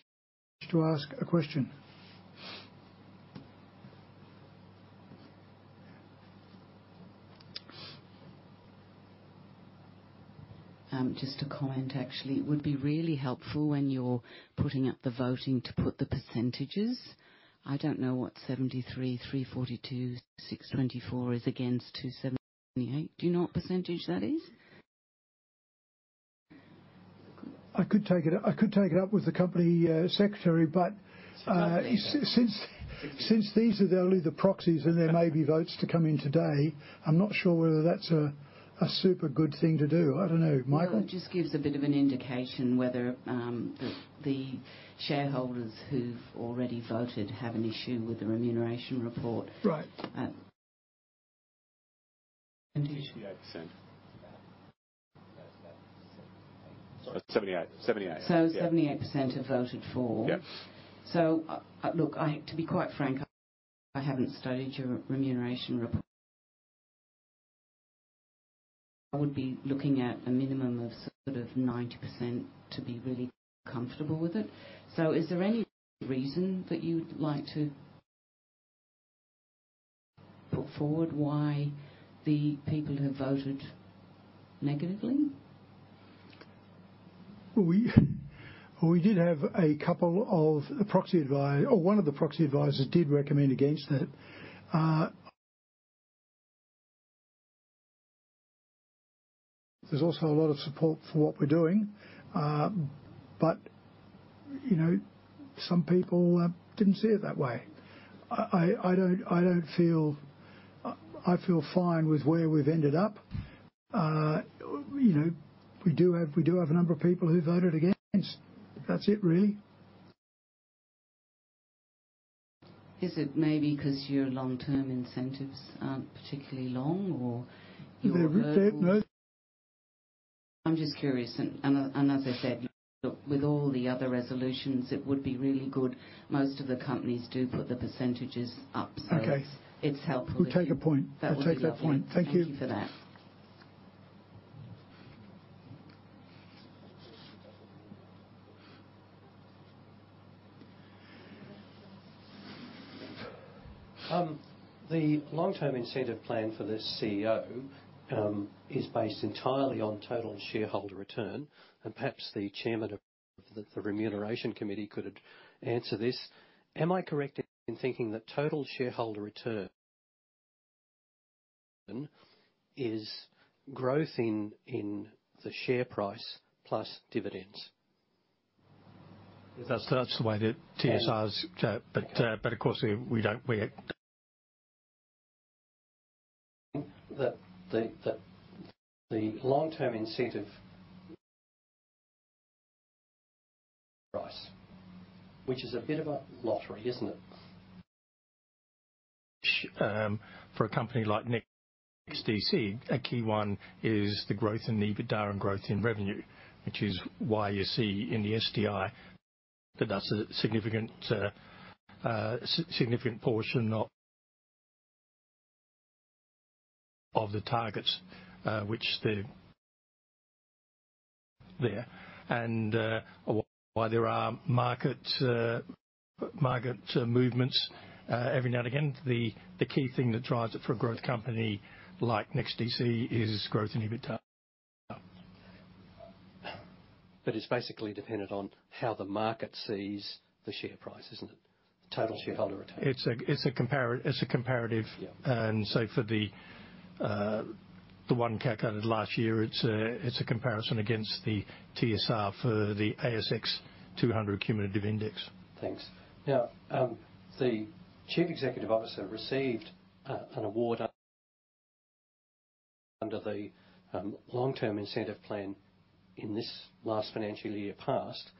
Speaker 1: to ask a question?
Speaker 4: Just a comment, actually. It would be really helpful when you're putting up the voting to put the percentages. I don't know what 73, 342, 624 is against 278. Do you know what percentage that is?
Speaker 1: I could take it up, I could take it up with the company secretary, but since these are the only proxies and there may be votes to come in today, I'm not sure whether that's a super good thing to do. I don't know. Michael?
Speaker 4: Well, it just gives a bit of an indication whether the shareholders who've already voted have an issue with the remuneration report.
Speaker 1: Right.
Speaker 4: Um.
Speaker 6: 58%. 78%.
Speaker 4: So 78% have voted for?
Speaker 6: Yeah.
Speaker 4: So, look, to be quite frank, I haven't studied your remuneration report. I would be looking at a minimum of sort of 90% to be really comfortable with it. So is there any reason that you'd like to put forward why the people have voted negatively?
Speaker 1: Well, we did have a couple of proxy advisor. Oh, one of the proxy advisors did recommend against it. There's also a lot of support for what we're doing, but, you know, some people didn't see it that way. I don't feel. I feel fine with where we've ended up. You know, we do have a number of people who voted against. That's it, really.
Speaker 4: Is it maybe because your long-term incentives aren't particularly long or your-
Speaker 1: No.
Speaker 4: I'm just curious, and as I said, look, with all the other resolutions, it would be really good. Most of the companies do put the percentages up-
Speaker 1: Okay.
Speaker 4: So it's helpful.
Speaker 1: We'll take your point.
Speaker 4: That would be lovely.
Speaker 1: We'll take that point. Thank you.
Speaker 4: Thank you for that.
Speaker 5: The long-term incentive plan for the CEO is based entirely on total shareholder return, and perhaps the chairman of the Remuneration Committee could answer this. Am I correct in thinking that total shareholder return is growth in the share price, plus dividends?
Speaker 11: That's the way that TSRs, but of course, we don't, we-
Speaker 5: That the long-term incentive price, which is a bit of a lottery, isn't it?
Speaker 11: For a company like NEXTDC, a key one is the growth in the EBITDA and growth in revenue, which is why you see in the STI that that's a significant portion of the targets. And while there are market movements every now and again, the key thing that drives it for a growth company like NEXTDC is growth in EBITDA.
Speaker 5: It's basically dependent on how the market sees the share price, isn't it? Total Shareholder Return.
Speaker 11: It's a comparative-
Speaker 5: Yeah.
Speaker 11: So for the one calculated last year, it's a comparison against the TSR for the ASX 200 cumulative index.
Speaker 5: Thanks. Now, the Chief Executive Officer received an award under the long-term incentive plan in this last financial year past.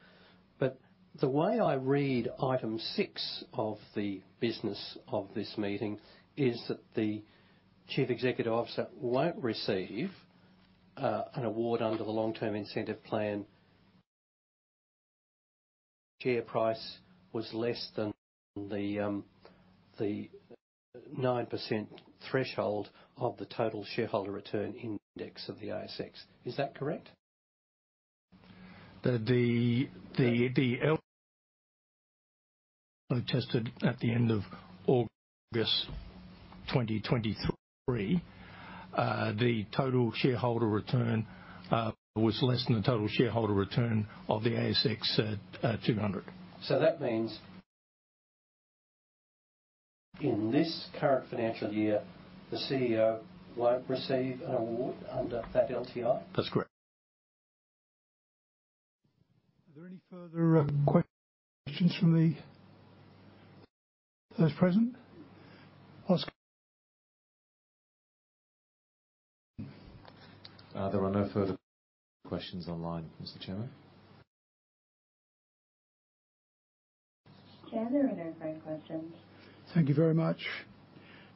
Speaker 5: But the way I read item six of the business of this meeting is that the Chief Executive Officer won't receive an award under the long-term incentive plan. Share price was less than the 9% threshold of the total shareholder return index of the ASX. Is that correct?
Speaker 11: The TSR tested at the end of August 2023, the total shareholder return was less than the total shareholder return of the ASX 200.
Speaker 5: So that means in this current financial year, the CEO won't receive an award under that LTI?
Speaker 11: That's correct.
Speaker 1: Are there any further questions from those present? Oskar?
Speaker 10: There are no further questions online, Mr. Chairman.
Speaker 2: Chair, there are no further questions.
Speaker 1: Thank you very much.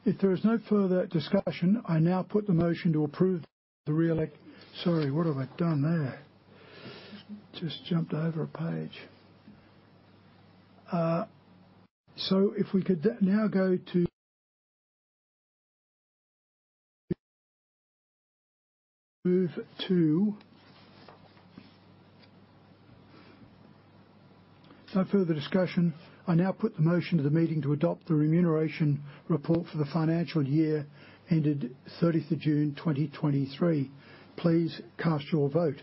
Speaker 1: If there is no further discussion, I now put the motion to approve the reelec- Sorry, what have I done there? Just jumped over a page. So if we could now go to move to. No further discussion, I now put the motion to the meeting to adopt the remuneration report for the financial year ended 30 June 2023. Please cast your vote.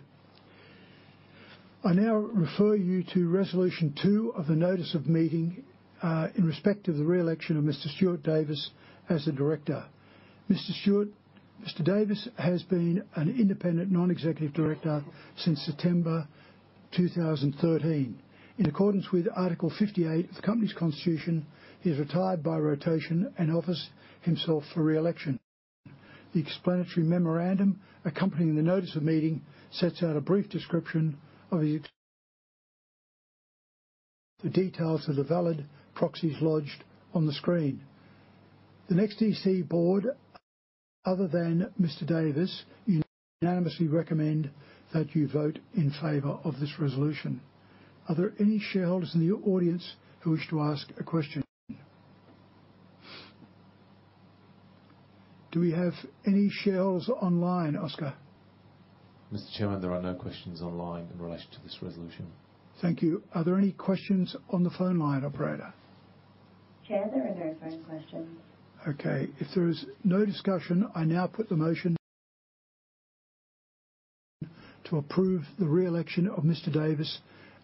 Speaker 1: I now refer you to resolution two of the notice of meeting, in respect of the re-election of Mr. Stuart Davis as a director. Mr. Stuart Davis has been an independent non-executive director since September 2013. In accordance with Article 58 of the company's constitution, he's retired by rotation and offers himself for re-election. The explanatory memorandum accompanying the notice of meeting sets out a brief description of his- The details of the valid proxies lodged on the screen. The NEXTDC board, other than Mr. Davis, unanimously recommend that you vote in favor of this resolution. Are there any shareholders in the audience who wish to ask a question? Do we have any shareholders online, Oskar?
Speaker 10: Mr. Chairman, there are no questions online in relation to this resolution.
Speaker 1: Thank you. Are there any questions on the phone line, operator?
Speaker 2: Chair, there are no phone questions.
Speaker 1: Okay. If there is no discussion, I now put the motion to approve the re-election of Mr. Davis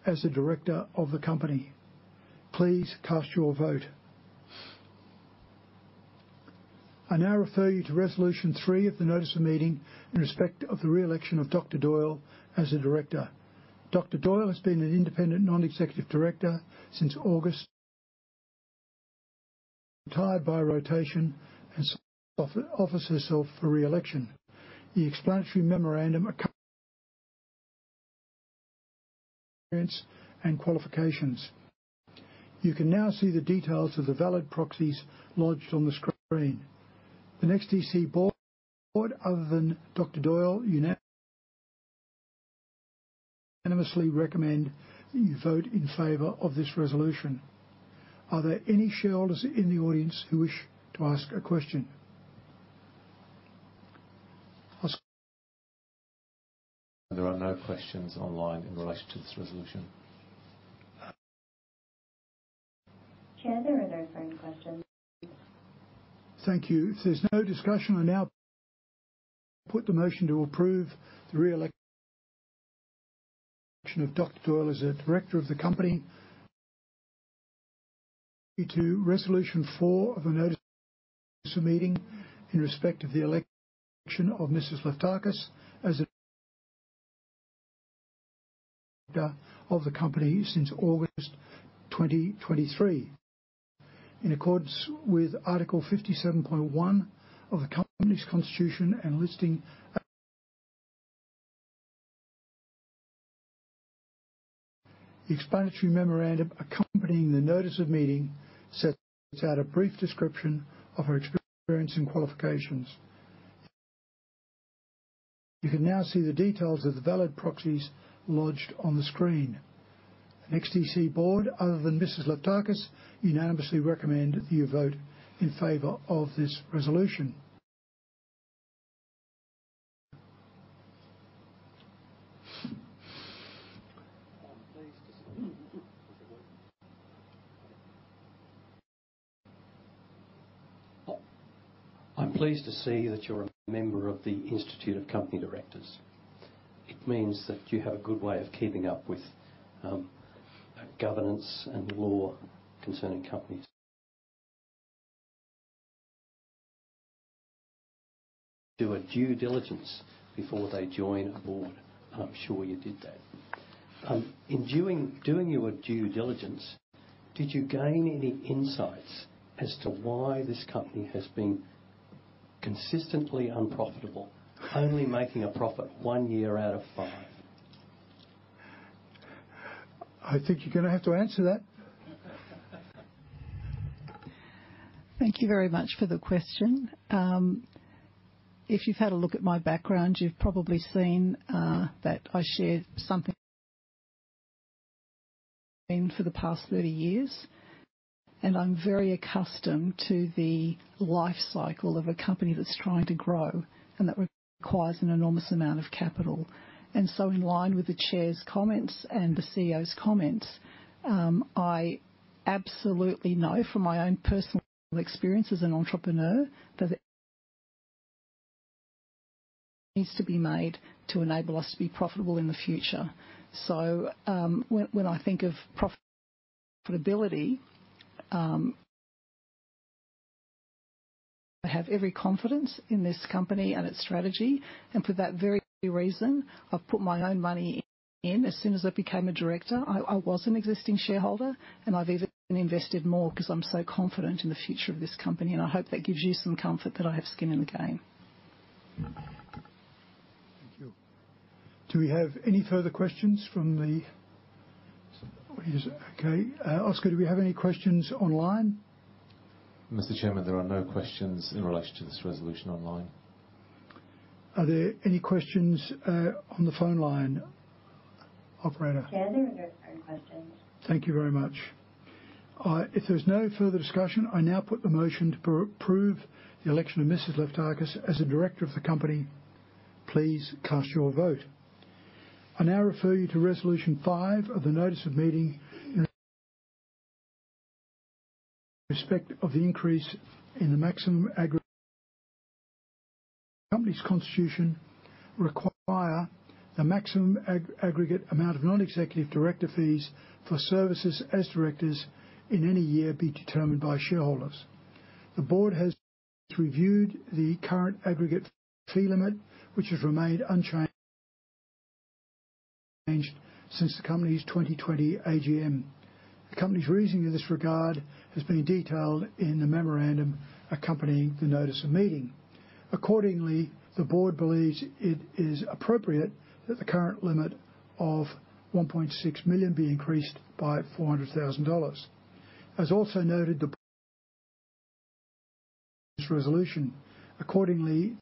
Speaker 1: as a director of the company. Please cast your vote. I now refer you to resolution three of the notice of meeting in respect of the re-election of Dr. Doyle as a director. Dr. Doyle has been an independent non-executive director since August. Retired by rotation and offers herself for re-election. The explanatory memorandum and qualifications. You can now see the details of the valid proxies lodged on the screen. The NEXTDC board, other than Dr. Doyle, unanimously recommend that you vote in favor of this resolution. Are there any shareholders in the audience who wish to ask a question? Oskar.
Speaker 10: There are no questions online in relation to this resolution.
Speaker 2: Chair, there are no further questions.
Speaker 1: Thank you. If there's no discussion, I now put the motion to approve the re-election of Dr. Doyle as a director of the company. To Resolution 4 of a notice of meeting in respect of the election of Mrs. Leftakis as a director of the company since August 2023. In accordance with Article 57.1 of the Company's Constitution and Listing. The explanatory memorandum accompanying the notice of meeting sets out a brief description of her experience and qualifications. You can now see the details of the valid proxies lodged on the screen. NEXTDC board, other than Mrs. Leftakis, unanimously recommend that you vote in favor of this resolution.
Speaker 5: I'm pleased to see that you're a member of the Institute of Company Directors. It means that you have a good way of keeping up with governance and law concerning companies. Do a due diligence before they join a board, and I'm sure you did that. In doing your due diligence, did you gain any insights as to why this company has been consistently unprofitable, only making a profit one year out of five?
Speaker 1: I think you're going to have to answer that.
Speaker 12: Thank you very much for the question. If you've had a look at my background, you've probably seen that I shared something for the past 30 years, and I'm very accustomed to the life cycle of a company that's trying to grow, and that requires an enormous amount of capital. So in line with the chair's comments and the CEO's comments, I absolutely know from my own personal experience as an entrepreneur, that it needs to be made to enable us to be profitable in the future. When I think of profitability, I have every confidence in this company and its strategy, and for that very reason, I've put my own money in. As soon as I became a director, I was an existing shareholder, and I've even invested more because I'm so confident in the future of this company. I hope that gives you some comfort that I have skin in the game.
Speaker 1: Thank you. Do we have any further questions from the. Okay, Oskar, do we have any questions online?
Speaker 10: Mr. Chairman, there are no questions in relation to this resolution online.
Speaker 1: Are there any questions on the phone line, operator?
Speaker 2: Chair, there are no further questions.
Speaker 1: Thank you very much. If there's no further discussion, I now put the motion to approve the election of Mrs. Leftakis as a director of the company. Please cast your vote. I now refer you to resolution 5 of the notice of meeting in respect of the increase in the maximum aggregate. Company's constitution require the maximum aggregate amount of non-executive director fees for services as directors in any year, be determined by shareholders. The board has reviewed the current aggregate fee limit, which has remained unchanged since the company's 2020 AGM. The company's reasoning in this regard has been detailed in the memorandum accompanying the notice of meeting. Accordingly, the board believes it is appropriate that the current limit of 1.6 million be increased by 400,000 dollars. As also noted, the resolution. Accordingly,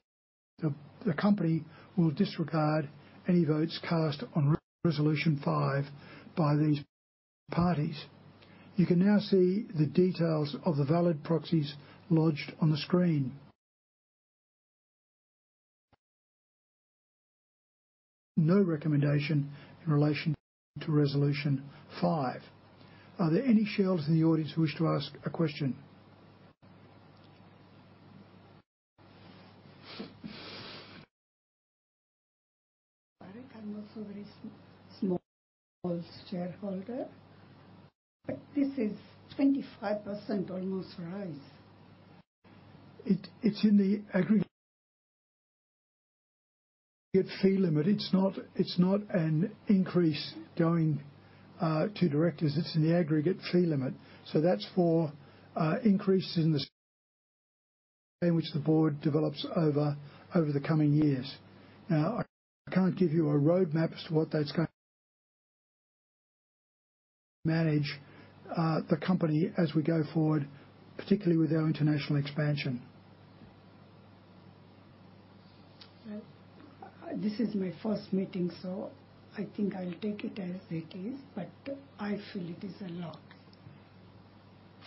Speaker 1: the company will disregard any votes cast on resolution five by these parties. You can now see the details of the valid proxies lodged on the screen. No recommendation in relation to resolution five. Are there any shareholders in the audience who wish to ask a question?
Speaker 13: I'm also a very small shareholder, but this is 25% almost rise.
Speaker 1: It's in the aggregate fee limit. It's not, it's not an increase going to directors. It's in the aggregate fee limit. So that's for increases in the which the board develops over the coming years. Now, I can't give you a roadmap as to what that's going to manage the company as we go forward, particularly with our international expansion.
Speaker 13: Well, this is my first meeting, so I think I'll take it as it is, but I feel it is a lot.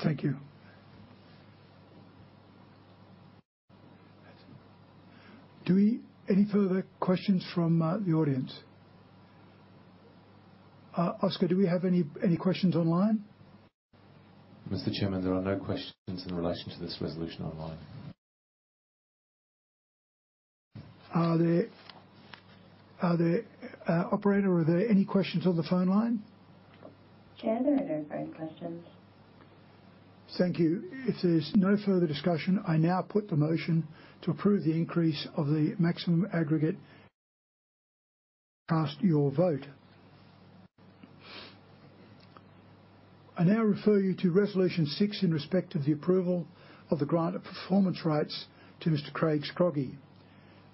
Speaker 1: Thank you. Do we, any further questions from the audience? Oskar, do we have any, any questions online?
Speaker 10: Mr. Chairman, there are no questions in relation to this resolution online.
Speaker 1: Are there. Operator, are there any questions on the phone line?
Speaker 2: Chair, there are no phone questions.
Speaker 1: Thank you. If there's no further discussion, I now put the motion to approve the increase of the maximum aggregate. Cast your vote. I now refer you to Resolution 6 in respect of the approval of the grant of performance rights to Mr. Craig Scroggie.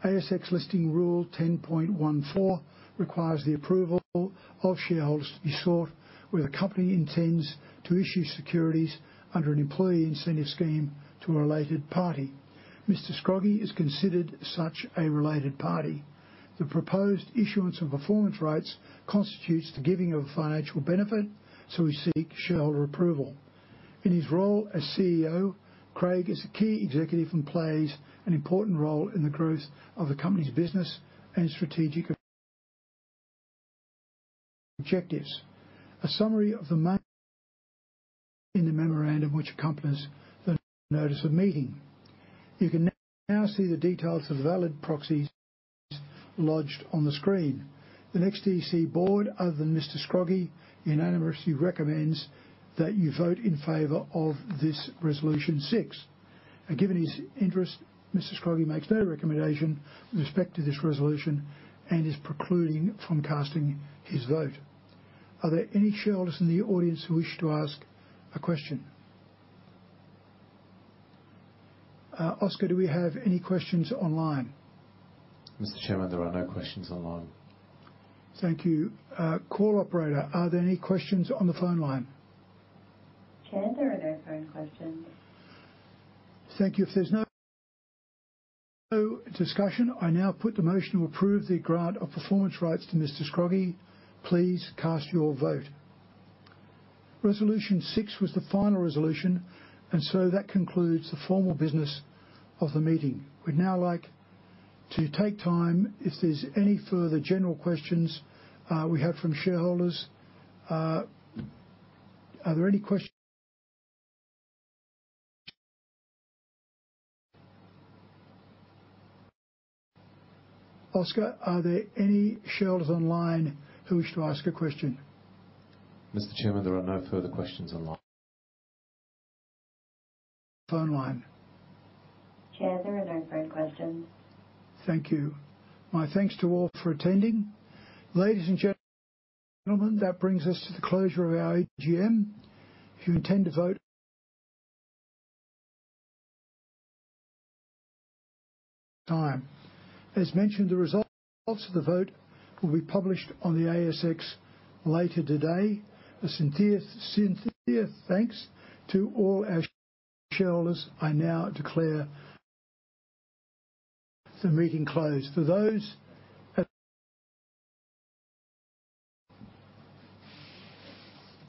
Speaker 1: ASX listing rule 10.14 requires the approval of shareholders to be sought where the company intends to issue securities under an employee incentive scheme to a related party. Mr. Scroggie is considered such a related party. The proposed issuance of performance rights constitutes the giving of a financial benefit, so we seek shareholder approval. In his role as CEO, Craig is a key executive and plays an important role in the growth of the company's business and strategic objectives. objectives. A summary of the main in the memorandum, which accompanies the notice of meeting. You can now see the details of the valid proxies lodged on the screen. The NEXTDC board, other than Mr. Scroggie, unanimously recommends that you vote in favor of this Resolution 6. Given his interest, Mr. Scroggie makes no recommendation with respect to this resolution and is precluded from casting his vote. Are there any shareholders in the audience who wish to ask a question? Oskar, do we have any questions online?
Speaker 10: Mr. Chairman, there are no questions online.
Speaker 1: Thank you. Call operator, are there any questions on the phone line?
Speaker 2: Chair, there are no phone questions.
Speaker 1: Thank you. If there's no, no discussion, I now put the motion to approve the grant of performance rights to Mr. Scroggie. Please cast your vote. Resolution 6 was the final resolution, and so that concludes the formal business of the meeting. We'd now like to take time if there's any further general questions we have from shareholders. Are there any questions? Oskar, are there any shareholders online who wish to ask a question?
Speaker 10: Mr. Chairman, there are no further questions online.
Speaker 1: Phone line.
Speaker 2: Chair, there are no further questions.
Speaker 1: Thank you. My thanks to all for attending. Ladies and gentlemen, that brings us to the closure of our AGM. If you intend to vote, time. As mentioned, the results of the vote will be published on the ASX later today. A sincere, sincere thanks to all our shareholders. I now declare the meeting closed. For those-